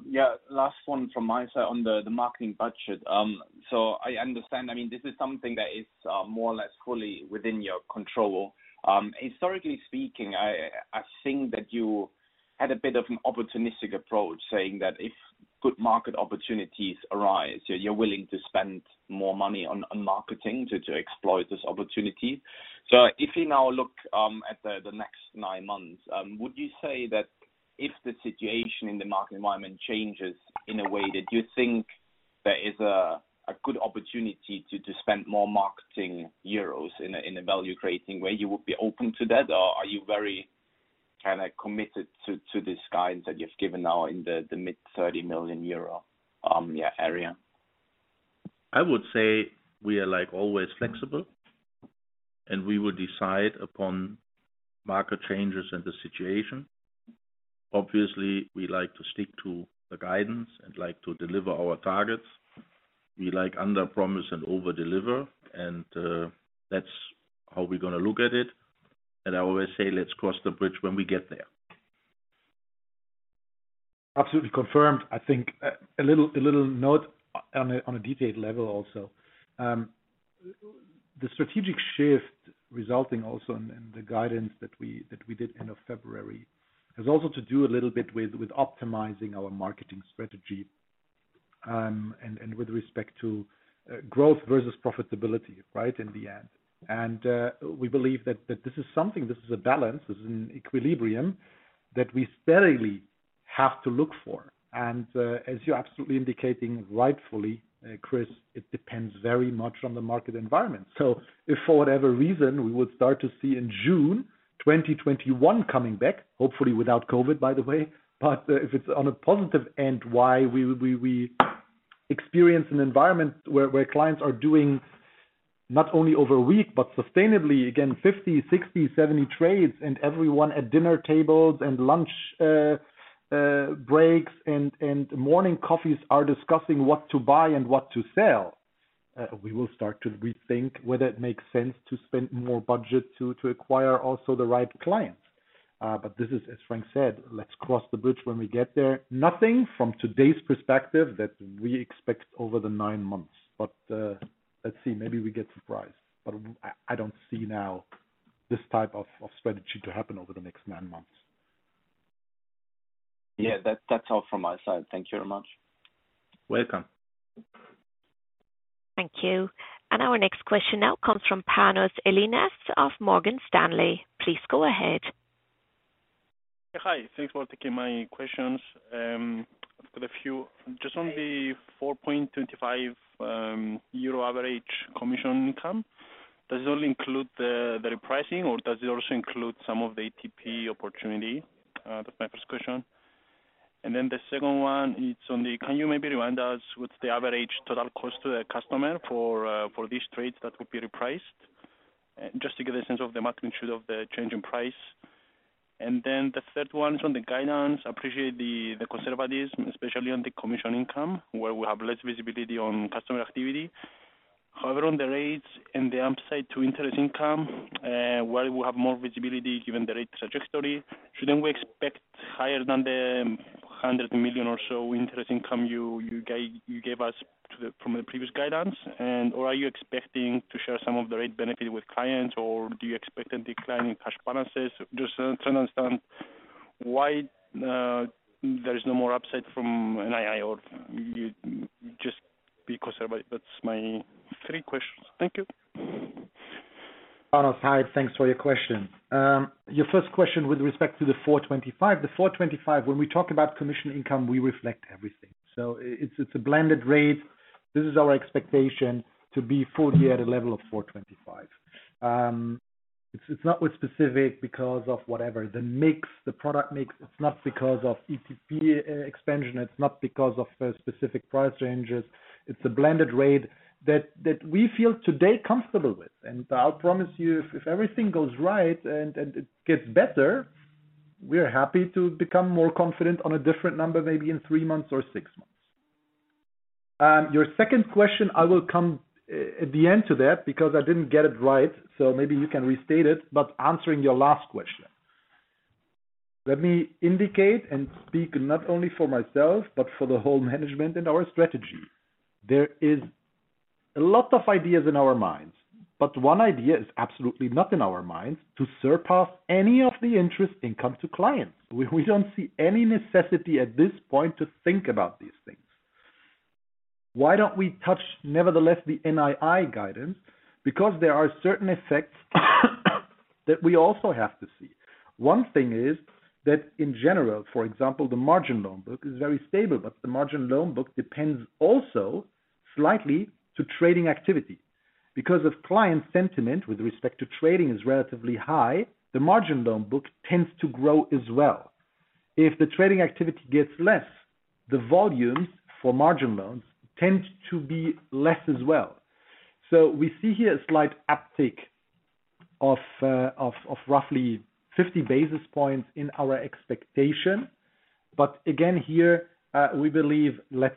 Yeah, last one from my side on the marketing budget. I understand. I mean, this is something that is more or less fully within your control. Historically speaking, I think that you had a bit of an opportunistic approach saying that if good market opportunities arise, you're willing to spend more money on marketing to exploit this opportunity. If you now look at the next nine months, would you say that if the situation in the market environment changes in a way that you think there is a good opportunity to spend more marketing euros in a value creating way, you would be open to that? Are you very kinda committed to these guides that you've given now in the mid-EUR 30 million, yeah, area? I would say we are like, always flexible, and we will decide upon market changes and the situation. Obviously, we like to stick to the guidance and like to deliver our targets. We like under promise and over deliver, and that's how we're gonna look at it. I always say, "Let's cross the bridge when we get there. Absolutely confirmed. I think a little note on a detailed level also. The strategic shift resulting also in the guidance that we did end of February, has also to do a little bit with optimizing our marketing strategy, and with respect to growth versus profitability, right, in the end. We believe that this is something, this is a balance, this is an equilibrium that we steadily have to look for. As you're absolutely indicating, rightfully, Chris, it depends very much on the market environment. If for whatever reason, we would start to see in June 2021 coming back, hopefully without COVID, by the way, but if it's on a positive end, why we experience an environment where clients are doing not only over a week, but sustainably, again, 50, 60, 70 trades and everyone at dinner tables and lunch breaks and morning coffees are discussing what to buy and what to sell, we will start to rethink whether it makes sense to spend more budget to acquire also the right clients. This is, as Frank said, let's cross the bridge when we get there. Nothing from today's perspective that we expect over the nine months. Let's see, maybe we get surprised. I don't see now this type of strategy to happen over the next nine months. That's all from my side. Thank you very much. Welcome. Thank you. Our next question now comes from Panos Ellinas of Morgan Stanley. Please go ahead. Yeah, hi. Thanks for taking my questions. I've got a few. Just on the 4.25 euro average commission income, does it only include the repricing, or does it also include some of the ETP opportunity? That's my first question. The second one it's on the, can you maybe remind us what's the average total cost to the customer for these trades that would be repriced? Just to get a sense of the magnitude of the change in price. The third one is on the guidance. Appreciate the conservatism, especially on the commission income, where we have less visibility on customer activity. However, on the rates and the upside to interest income, where we have more visibility given the rate trajectory, shouldn't we expect higher than the 100 million or so interest income you gave us from the previous guidance or are you expecting to share some of the rate benefit with clients, or do you expect a decline in cash balances? Just to understand why there is no more upside from NII or you just be conservative. That's my three questions. Thank you. Panos, hi. Thanks for your question. Your first question with respect to the 4.25. The 4.25, when we talk about commission income, we reflect everything. So it's a blended rate. This is our expectation to be fully at a level of 4.25. It's, it's not with specific because of whatever. The mix, the product mix. It's not because of ETP expansion. It's not because of specific price ranges. It's a blended rate that we feel today comfortable with. I'll promise you, if everything goes right and it gets better, we are happy to become more confident on a different number, maybe in three months or six months. Your second question, I will come at the end to that because I didn't get it right, so maybe you can restate it. Answering your last question. Let me indicate and speak not only for myself, but for the whole management and our strategy. There is a lot of ideas in our minds, but one idea is absolutely not in our minds to surpass any of the interest income to clients. We don't see any necessity at this point to think about these things. Why don't we touch, nevertheless, the NII guidance? There are certain effects that we also have to see. One thing is that in general, for example, the margin loan book is very stable, but the margin loan book depends also slightly to trading activity. If client sentiment with respect to trading is relatively high, the margin loan book tends to grow as well. If the trading activity gets less, the volumes for margin loans tend to be less as well. We see here a slight uptick of roughly 50 basis points in our expectation. Again, here, we believe let's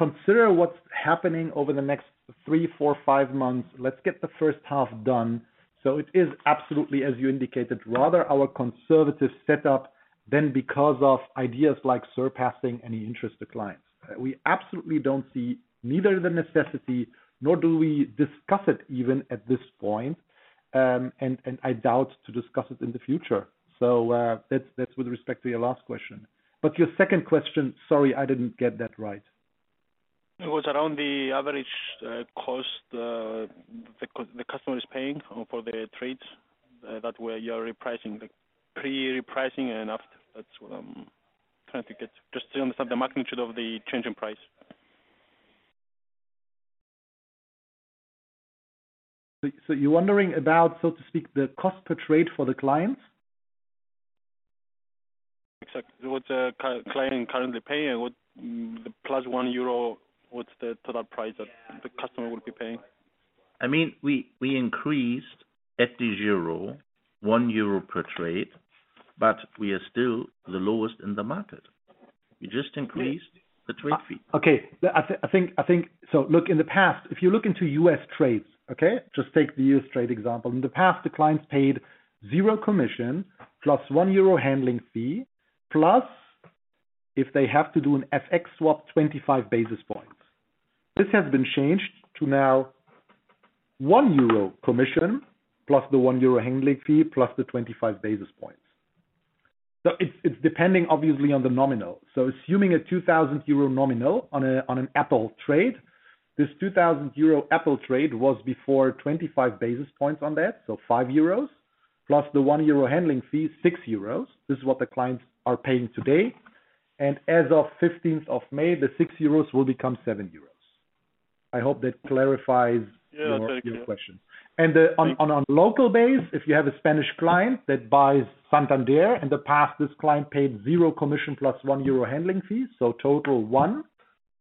consider what's happening over the next three, four, five months. Let's get the first half done. It is absolutely, as you indicated, rather our conservative setup than because of ideas like surpassing any interest to clients. We absolutely don't see neither the necessity, nor do we discuss it even at this point, and I doubt to discuss it in the future. That's with respect to your last question. Your second question, sorry, I didn't get that right. It was around the average cost the customer is paying for the trades, that way you're repricing, like pre-repricing and after. That's what I'm trying to get, just to understand the magnitude of the change in price. You're wondering about, so to speak, the cost per trade for the clients? Exactly. What a client currently paying and the plus 1 euro, what's the total price that the customer will be paying? I mean, we increased at DEGIRO, 1 euro per trade. We are still the lowest in the market. We just increased the trade fee. Okay. I think, Look, in the past, if you look into U.S. trades, okay? Just take the U.S. trade example. In the past, the clients paid zero commission plus 1 euro handling fee, plus if they have to do an FX swap, 25 basis points. This has been changed to now 1 euro commission, plus the 1 euro handling fee, plus the 25 basis points. It's depending, obviously, on the nominal. Assuming a 2,000 euro nominal on an Apple trade, this 2,000 euro Apple trade was before 25 basis points on that, 5 euros, plus the 1 euro handling fee, 6 euros. This is what the clients are paying today. As of May 15th, the 6 euros will become 7 euros. I hope that clarifies. Yeah, thank you. your question. on local base, if you have a Spanish client that buys Santander, in the past, this client paid 0 commission plus 1 euro handling fees, so total 1.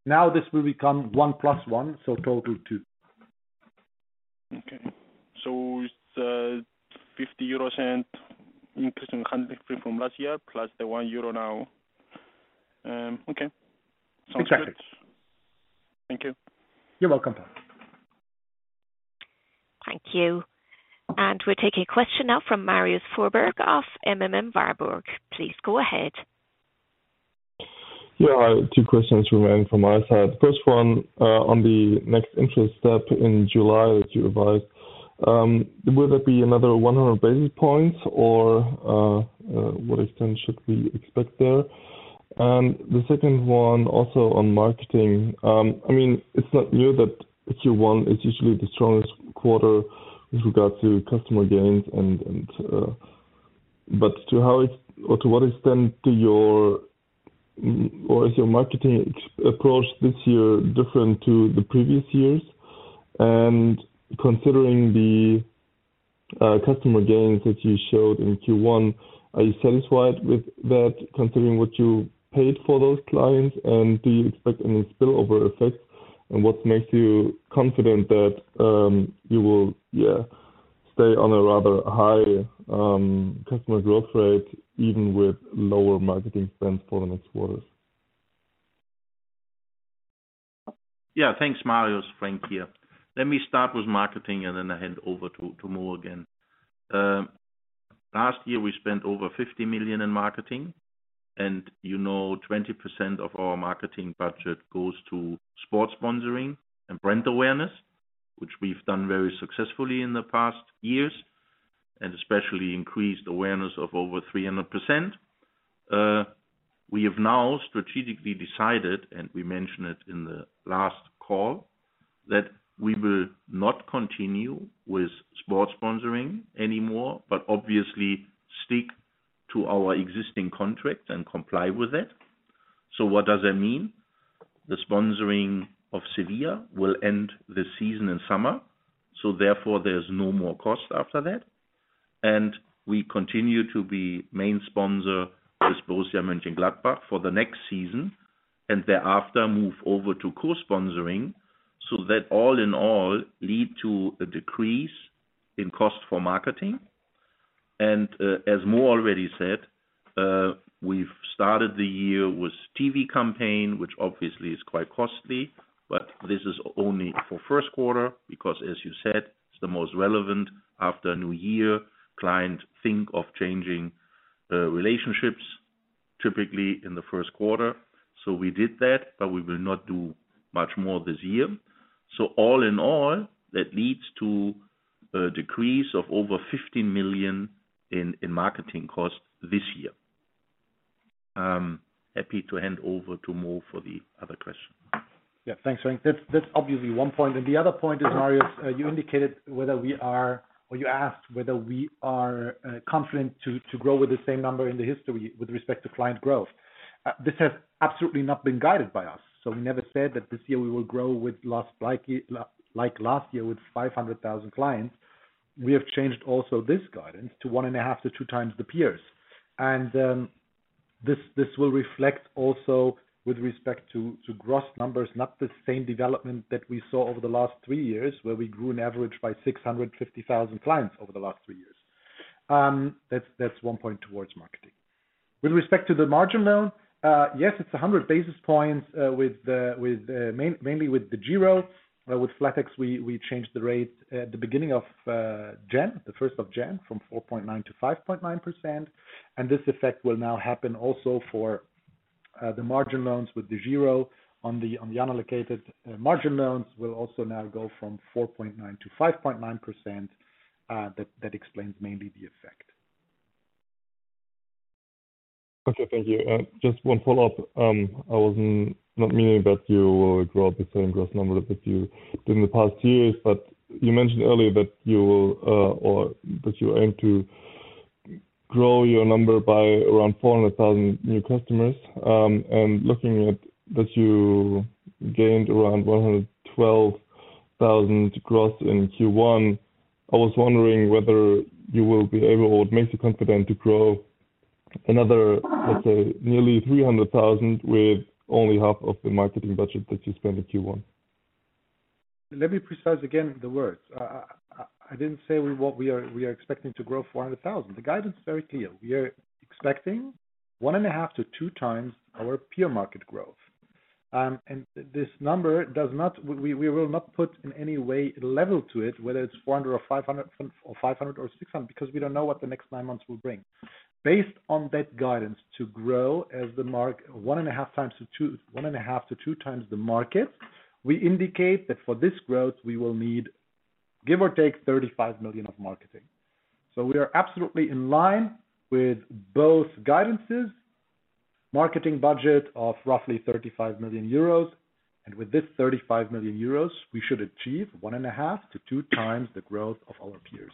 This will become 1 + 1, so total 2. Okay. It's a 0.50 increase in handling fee from last year, plus the 1 euro now. Okay. Sounds good. Exactly. Thank you. You're welcome. Thank you. We're taking a question now from Marius Fuhrberg of M.M. Warburg. Please go ahead. Yeah. Two questions, regarding from my side. First one, on the next interest step in July that you revised, will it be another 100 basis points or what extent should we expect there? The second one also on marketing. I mean, it's not new that Q1 is usually the strongest quarter with regards to customer gains. To what extent is your marketing approach this year different to the previous years? Considering the customer gains that you showed in Q1, are you satisfied with that, considering what you paid for those clients, and do you expect any spillover effect? What makes you confident that you will, yeah, stay on a rather high customer growth rate, even with lower marketing spends for the next quarters? Thanks, Marius Fuhrberg. Frank Niehage here. Let me start with marketing and then I hand over to Mo again. Last year we spent over 50 million in marketing and, you know, 20% of our marketing budget goes to sports sponsoring and brand awareness, which we've done very successfully in the past years, and especially increased awareness of over 300%. We have now strategically decided, and we mentioned it in the last call, that we will not continue with sports sponsoring anymore, but obviously stick to our existing contract and comply with it. What does that mean? The sponsoring of Sevilla FC will end this season in summer, so therefore there's no more cost after that. We continue to be main sponsor for Borussia Mönchengladbach for the next season, and thereafter move over to co-sponsoring. That all in all lead to a decrease in cost for marketing. As Mo already said, we've started the year with TV campaign, which obviously is quite costly, but this is only for first quarter because as you said, it's the most relevant after New Year. Client think of changing relationships typically in the first quarter. We did that, but we will not do much more this year. All in all, that leads to a decrease of over 50 million in marketing costs this year. Happy to hand over to Mo for the other question. Yeah. Thanks, Frank. That's obviously one point. The other point is, Marius, you asked whether we are confident to grow with the same number in the history with respect to client growth. This has absolutely not been guided by us. We never said that this year we will grow like last year with 500,000 clients. We have changed also this guidance to 1.5x-2x the peers. This will reflect also with respect to gross numbers, not the same development that we saw over the last three years, where we grew an average by 650,000 clients over the last three years. That's one point towards marketing. With respect to the margin loan, yes, it's 100 basis points, with the, with, mainly with DEGIRO. With flatex, we changed the rate at the beginning of January, the first of January, from 4.9% to 5.9%. This effect will now happen also for the margin loans with DEGIRO. On the unallocated margin loans will also now go from 4.9% to 5.9%. That explains mainly the effect. Okay, thank you. Just one follow-up. I wasn't not meaning that you will grow the same gross number that you did in the past years. You mentioned earlier that you will, or that you aim to grow your number by around 400,000 new customers. Looking at that you gained around 112,000 gross in Q1, I was wondering whether you will be able or what makes you confident to grow another, let's say, nearly 300,000 with only half of the marketing budget that you spent in Q1? Let me precise again the words. I didn't say what we are expecting to grow 400,000. The guidance is very clear. We are expecting 1.5x-2x our peer market growth. This number does not, we will not put in any way a level to it, whether it's 400 or 500, or 500 or 600, because we don't know what the next nine months will bring. Based on that guidance to grow as the market 1.5x-2x the market, we indicate that for this growth, we will need, give or take 35 million of marketing. We are absolutely in line with both guidances, marketing budget of roughly 35 million euros. With this 35 million euros, we should achieve 1.5x-2x the growth of our peers.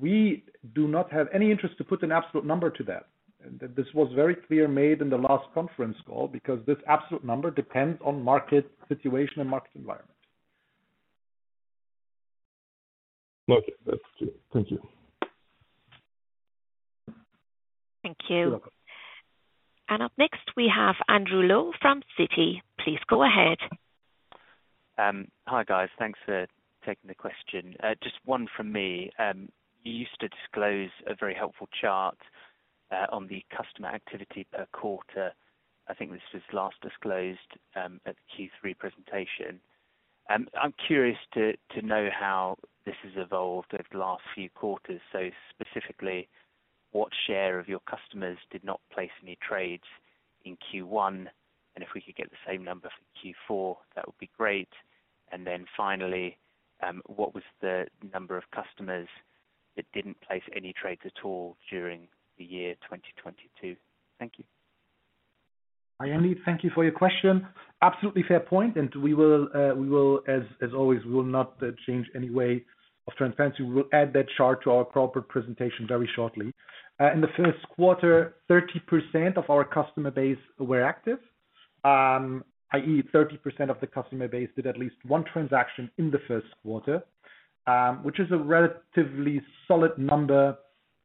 We do not have any interest to put an absolute number to that. This was very clear made in the last conference call because this absolute number depends on market situation and market environment. Okay. That's clear. Thank you. Thank you. You're welcome. Up next we have Andrew Lowe from Citi. Please go ahead. Hi, guys. Thanks for taking the question. Just one from me. You used to disclose a very helpful chart on the customer activity per quarter. I think this was last disclosed at the Q3 presentation. I'm curious to know how this has evolved over the last few quarters. Specifically, what share of your customers did not place any trades in Q1? If we could get the same number for Q4, that would be great. Finally, what was the number of customers that didn't place any trades at all during the year 2022? Thank you. Hi, Andy. Thank you for your question. Absolutely fair point. We will, we will as always, we will not change any way of transparency. We will add that chart to our corporate presentation very shortly. In the first quarter, 30% of our customer base were active. I.e., 30% of the customer base did at least one transaction in the first quarter, which is a relatively solid number.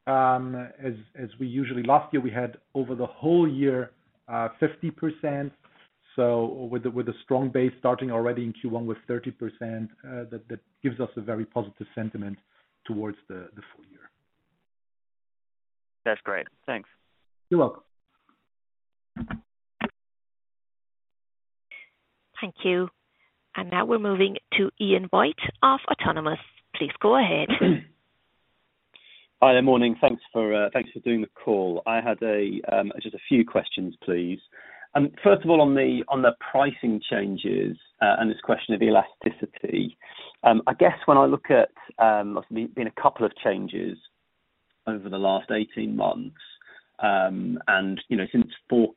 Last year, we had over the whole year, 50%. With a strong base starting already in Q1 with 30%, that gives us a very positive sentiment towards the full year. That's great. Thanks. You're welcome. Thank you. Now we're moving to Ian White of Autonomous. Please go ahead. Hi there. Morning. Thanks for, thanks for doing the call. I had just a few questions, please. First of all, on the pricing changes and this question of elasticity. I guess when I look at, there's been a couple of changes over the last 18 months. You know, since Q4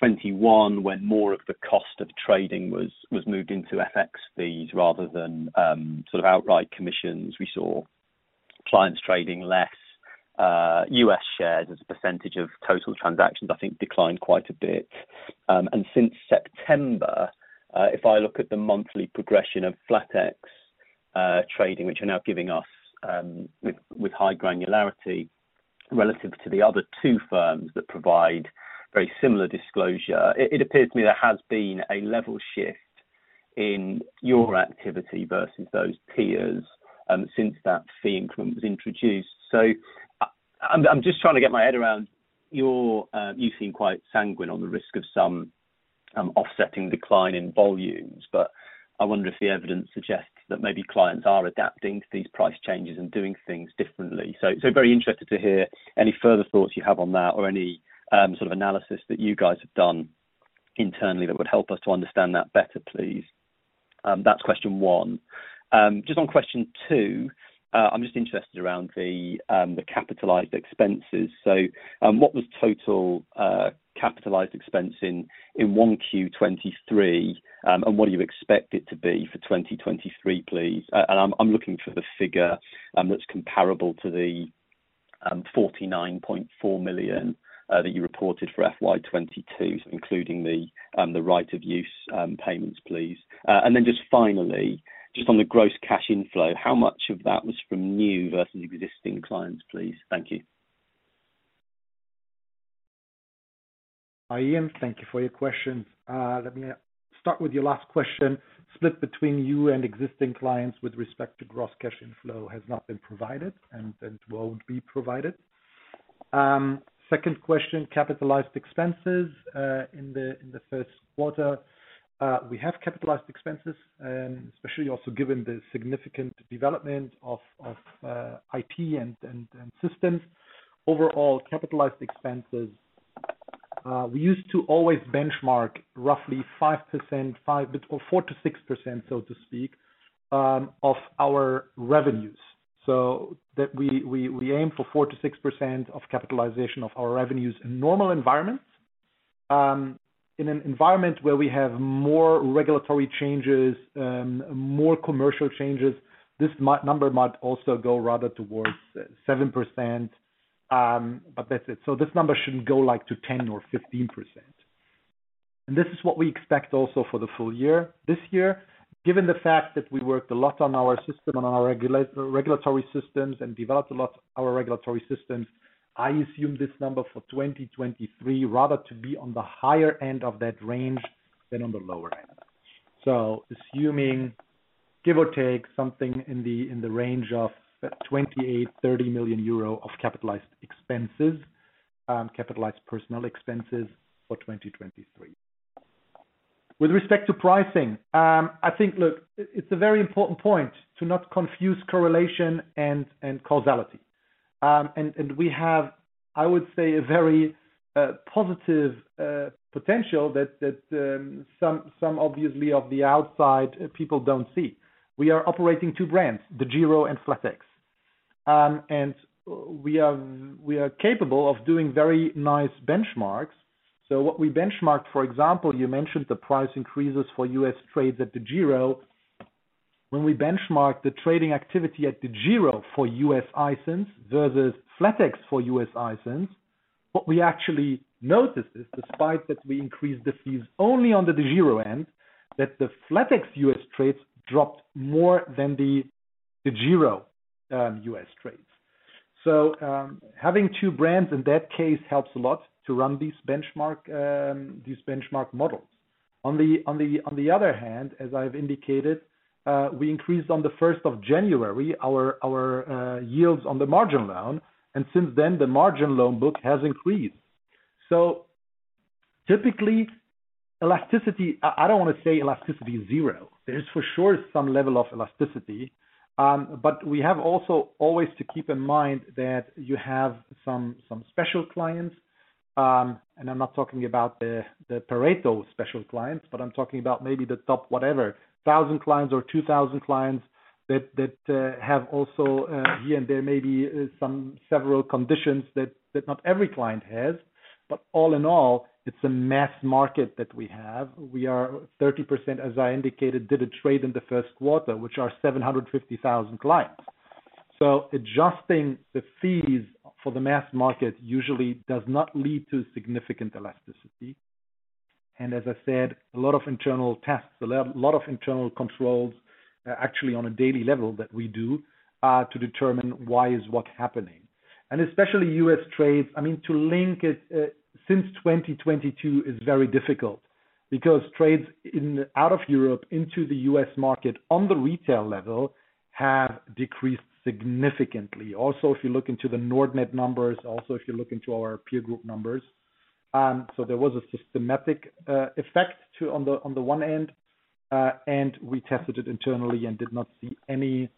2021, when more of the cost of trading was moved into FX fees rather than sort of outright commissions, we saw clients trading less U.S. shares as a percentage of total transactions, I think declined quite a bit. Since September, if I look at the monthly progression of flatex trading, which are now giving us with high granularity relative to the other two firms that provide very similar disclosure, it appears to me there has been a level shift in your activity versus those peers since that fee increment was introduced. I'm just trying to get my head around your you seem quite sanguine on the risk of some offsetting decline in volumes, but I wonder if the evidence suggests that maybe clients are adapting to these price changes and doing things differently. Very interested to hear any further thoughts you have on that or any sort of analysis that you guys have done internally that would help us to understand that better, please. That's question 1. two, I'm just interested around the capitalized expenses. What was total capitalized expense in 1Q 2023, and what do you expect it to be for 2023, please? I'm looking for the figure that's comparable to the 49.4 million that you reported for FY 2022, including the right of use payments, please. Then just finally, just on the gross cash inflow, how much of that was from new versus existing clients, please? Thank you. Hi, Ian. Thank you for your question. Let me start with your last question. Split between you and existing clients with respect to gross cash inflow has not been provided and won't be provided. Second question, capitalized expenses in the first quarter. We have capitalized expenses, and especially also given the significant development of IP and systems. Overall, capitalized expenses. We used to always benchmark roughly 5%, 5% or 4%-6%, so to speak, of our revenues. That we aim for 4%-6% of capitalization of our revenues in normal environments. In an environment where we have more regulatory changes, more commercial changes, this number might also go rather towards 7%. That's it. This number shouldn't go like to 10% or 15%. This is what we expect also for the full year. This year, given the fact that we worked a lot on our system and our regulatory systems and developed a lot our regulatory systems, I assume this number for 2023, rather to be on the higher end of that range than on the lower end of that. Assuming, give or take something in the, in the range of 28 million euro, 30 million euro of capitalized expenses, capitalized personnel expenses for 2023. With respect to pricing, I think look, it's a very important point to not confuse correlation and causality. We have, I would say, a very positive potential that some obviously of the outside people don't see. We are operating two brands, DEGIRO and flatex. We are capable of doing very nice benchmarks. What we benchmark, for example, you mentioned the price increases for U.S. trades at DEGIRO. When we benchmark the trading activity at DEGIRO for US ISINs versus flatex for US ISINs, what we actually noticed is despite that we increased the fees only on the DEGIRO end, that the flatex US trades dropped more than the DEGIRO US trades. Having two brands in that case helps a lot to run these benchmark models. On the other hand, as I've indicated, we increased on the first of January, our yields on the margin loan, and since then, the margin loan book has increased. Typically, elasticity. I don't wanna say elasticity is zero. There's for sure some level of elasticity. We have also always to keep in mind that you have some special clients, and I'm not talking about the Pareto special clients, but I'm talking about maybe the top whatever, 1,000 clients or 2,000 clients that have also here and there may be some several conditions that not every client has. All in all, it's a mass market that we have. We are 30%, as I indicated, did a trade in the first quarter, which are 750,000 clients. Adjusting the fees for the mass market usually does not lead to significant elasticity. As I said, a lot of internal tests, a lot of internal controls, actually on a daily level that we do, to determine why is what happening. Especially U.S. trades, I mean, to link it, since 2022 is very difficult because trades out of Europe into the U.S. market on the retail level have decreased significantly. If you look into the Nordnet numbers, if you look into our peer group numbers. There was a systematic effect to on the, on the one end, and we tested it internally and did not see any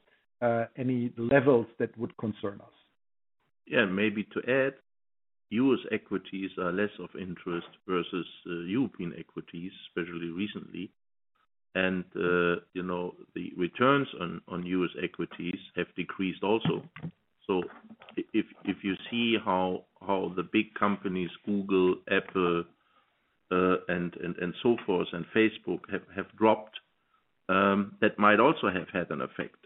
levels that would concern us. Yeah, maybe to add, U.S. equities are less of interest versus European equities, especially recently. You know, the returns on U.S. equities have decreased also. If you see how the big companies, Google, Apple, and so forth, and Facebook have dropped, that might also have had an effect.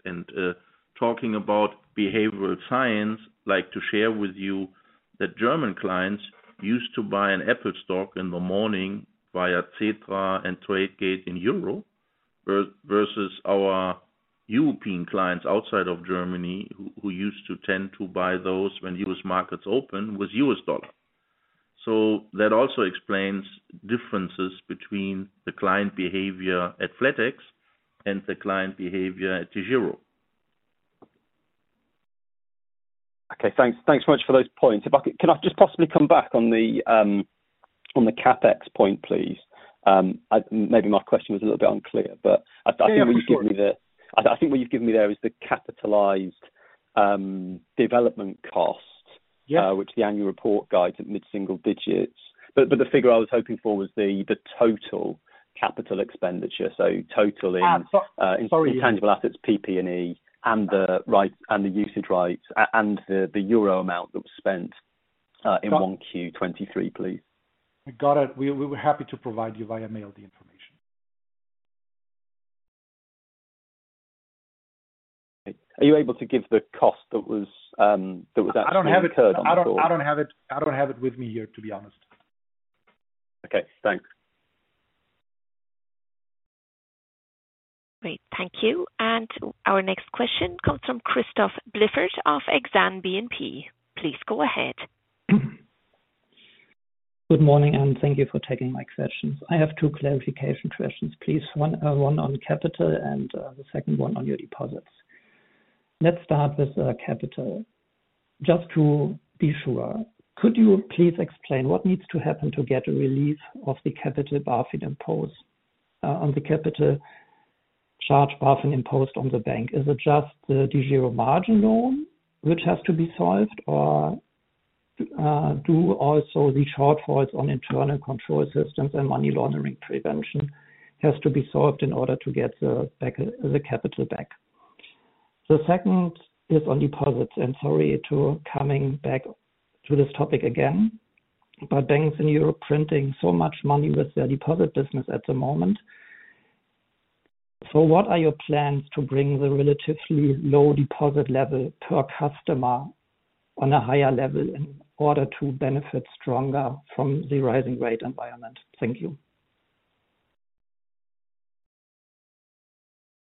Talking about behavioral science, like to share with you that German clients used to buy an Apple stock in the morning via Xetra and Tradegate in EUR, versus our European clients outside of Germany, who used to tend to buy those when U.S. markets open with USD. That also explains differences between the client behavior at flatex and the client behavior at DEGIRO. Okay. Thanks so much for those points. Can I just possibly come back on the on the CapEx point, please? Maybe my question was a little bit unclear, but I think what you've given me there. Yeah, sure. I think what you've given me there is the capitalized development. Yeah. which the annual report guides at mid-single digits. The figure I was hoping for was the total capital expenditure. Ah, so- in tangible assets, PP&E, and the usage rights and the EUR amount that was spent, in 1Q 2023, please. Got it. We were happy to provide you via mail the information. Are you able to give the cost that was, that was actually incurred on the call? I don't have it. I don't have it. I don't have it with me here, to be honest. Okay. Thanks. Great. Thank you. Our next question comes from Christoph Blieffert of Exane BNP. Please go ahead. Good morning, thank you for taking my questions. I have two clarification questions, please. One, one on capital and the second one on your deposits. Let's start with capital. Just to be sure, could you please explain what needs to happen to get a release of the capital buffer imposed on the capital charge buffer imposed on the bank? Is it just the zero margin loan which has to be solved or do also the shortfalls on internal control systems and money laundering prevention has to be solved in order to get the capital back? The second is on deposits, sorry to coming back to this topic again, but banks in Europe printing so much money with their deposit business at the moment. What are your plans to bring the relatively low deposit level per customer on a higher level in order to benefit stronger from the rising rate environment? Thank you.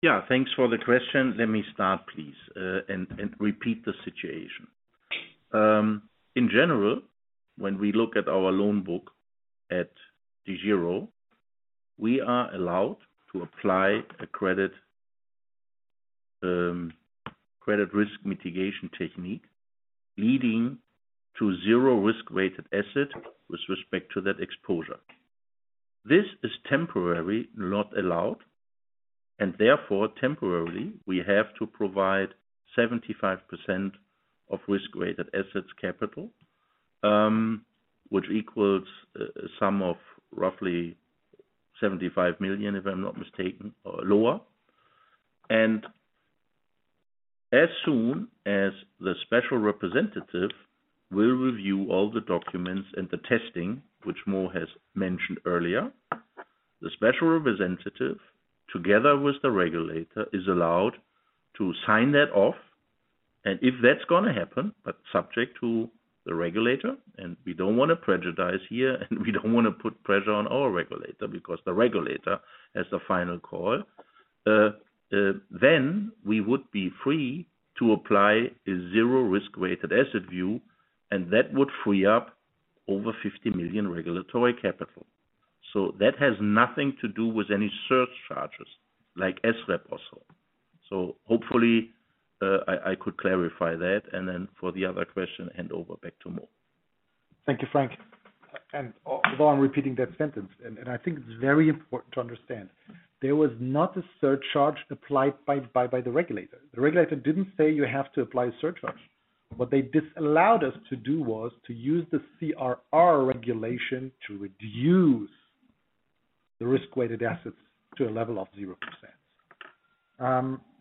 Yeah, thanks for the question. Let me start, please, and repeat the situation. In general, when we look at our loan book at DEGIRO, we are allowed to apply a credit risk mitigation technique leading to zero risk-weighted asset with respect to that exposure. This is temporary, not allowed, and therefore temporarily, we have to provide 75% of risk-weighted assets capital, which equals a sum of roughly 75 million, if I'm not mistaken, or lower. As soon as the special representative will review all the documents and the testing, which Mo has mentioned earlier, the special representative, together with the regulator, is allowed to sign that off. If that's gonna happen, but subject to the regulator, and we don't wanna prejudice here, and we don't wanna put pressure on our regulator because the regulator has the final call. We would be free to apply a zero risk-weighted asset view, and that would free up over 50 million regulatory capital. That has nothing to do with any surcharge, like SREP also. Hopefully, I could clarify that. For the other question, hand over back to Mo. Thank you, Frank. Although I'm repeating that sentence, and I think it's very important to understand. There was not a surcharge applied by the regulator. The regulator didn't say you have to apply a surcharge. What they disallowed us to do was to use the CRR regulation to reduce the risk-weighted assets to a level of 0%.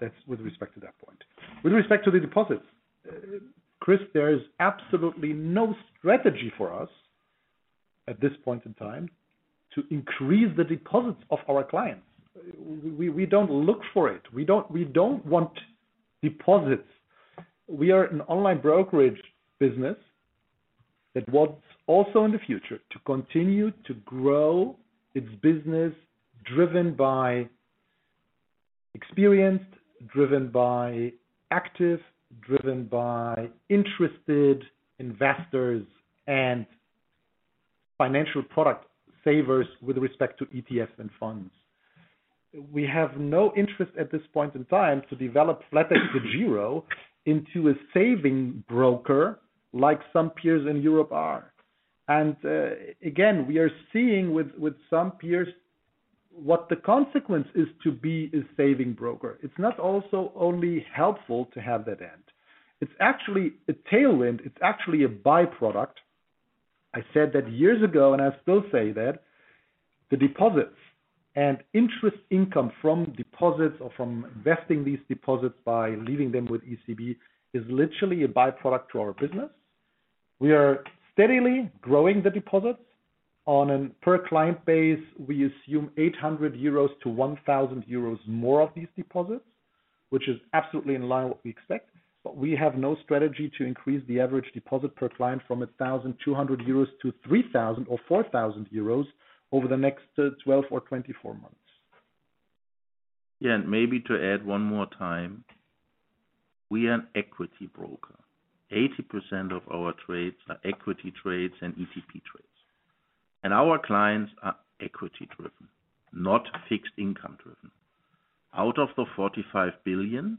That's with respect to that point. With respect to the deposits, Chris, there is absolutely no strategy for us at this point in time to increase the deposits of our clients. We don't look for it. We don't want deposits. We are an online brokerage business that wants also in the future to continue to grow its business, driven by experienced, driven by active, driven by interested investors and financial product savers with respect to ETFs and funds. We have no interest at this point in time to develop flatexDEGIRO into a saving broker like some peers in Europe are. Again, we are seeing with some peers what the consequence is to be a saving broker. It's not also only helpful to have that end. It's actually a tailwind. It's actually a by-product. I said that years ago, and I still say that the deposits and interest income from deposits or from investing these deposits by leaving them with ECB is literally a by-product to our business. We are steadily growing the deposits. On a per client base, we assume 800-1,000 euros more of these deposits, which is absolutely in line with what we expect. We have no strategy to increase the average deposit per client from 1,200 euros to 3,000 or 4,000 euros over the next 12 or 24 months. Maybe to add one more time. We are an equity broker. 80% of our trades are equity trades and ETP trades. Our clients are equity-driven, not fixed income-driven. Out of the 45 billion,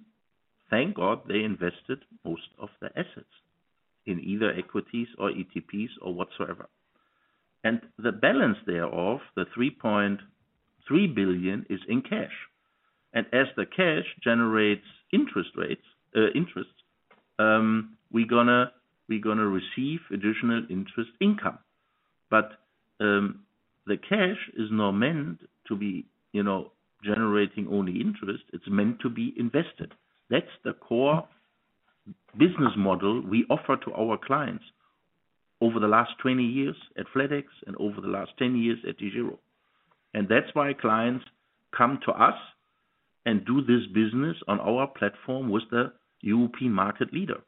thank God they invested most of their assets in either equities or ETPs or whatsoever. The balance thereof, the 3.3 billion, is in cash. As the cash generates interest rates, interest, we gonna receive additional interest income. The cash is not meant to be, you know, generating only interest. It's meant to be invested. That's the core business model we offer to our clients over the last 20 years at flatex and over the last 10 years at DEGIRO. That's why clients come to us and do this business on our platform with the European market leader.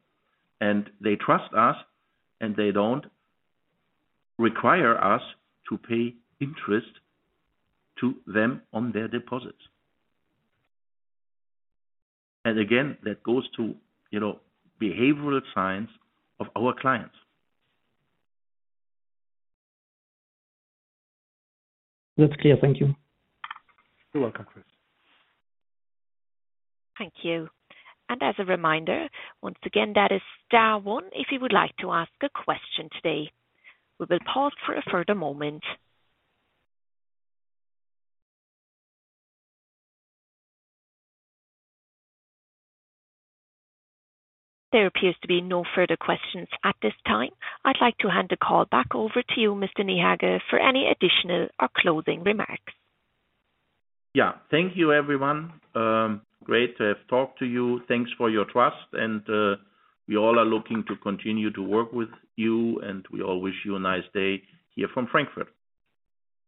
They trust us, and they don't require us to pay interest to them on their deposits. Again, that goes to, you know, behavioral science of our clients. That's clear. Thank you. You're welcome, Chris. Thank you. As a reminder, once again, that is star one, if you would like to ask a question today. We will pause for a further moment. There appears to be no further questions at this time. I'd like to hand the call back over to you, Mr. Niehage, for any additional or closing remarks. Yeah. Thank you, everyone. Great to have talked to you. Thanks for your trust, and we all are looking to continue to work with you, and we all wish you a nice day here from Frankfurt.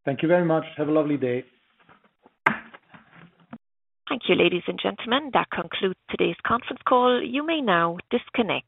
Thank you very much. Have a lovely day. Thank you, ladies and gentlemen. That concludes today's conference call. You may now disconnect.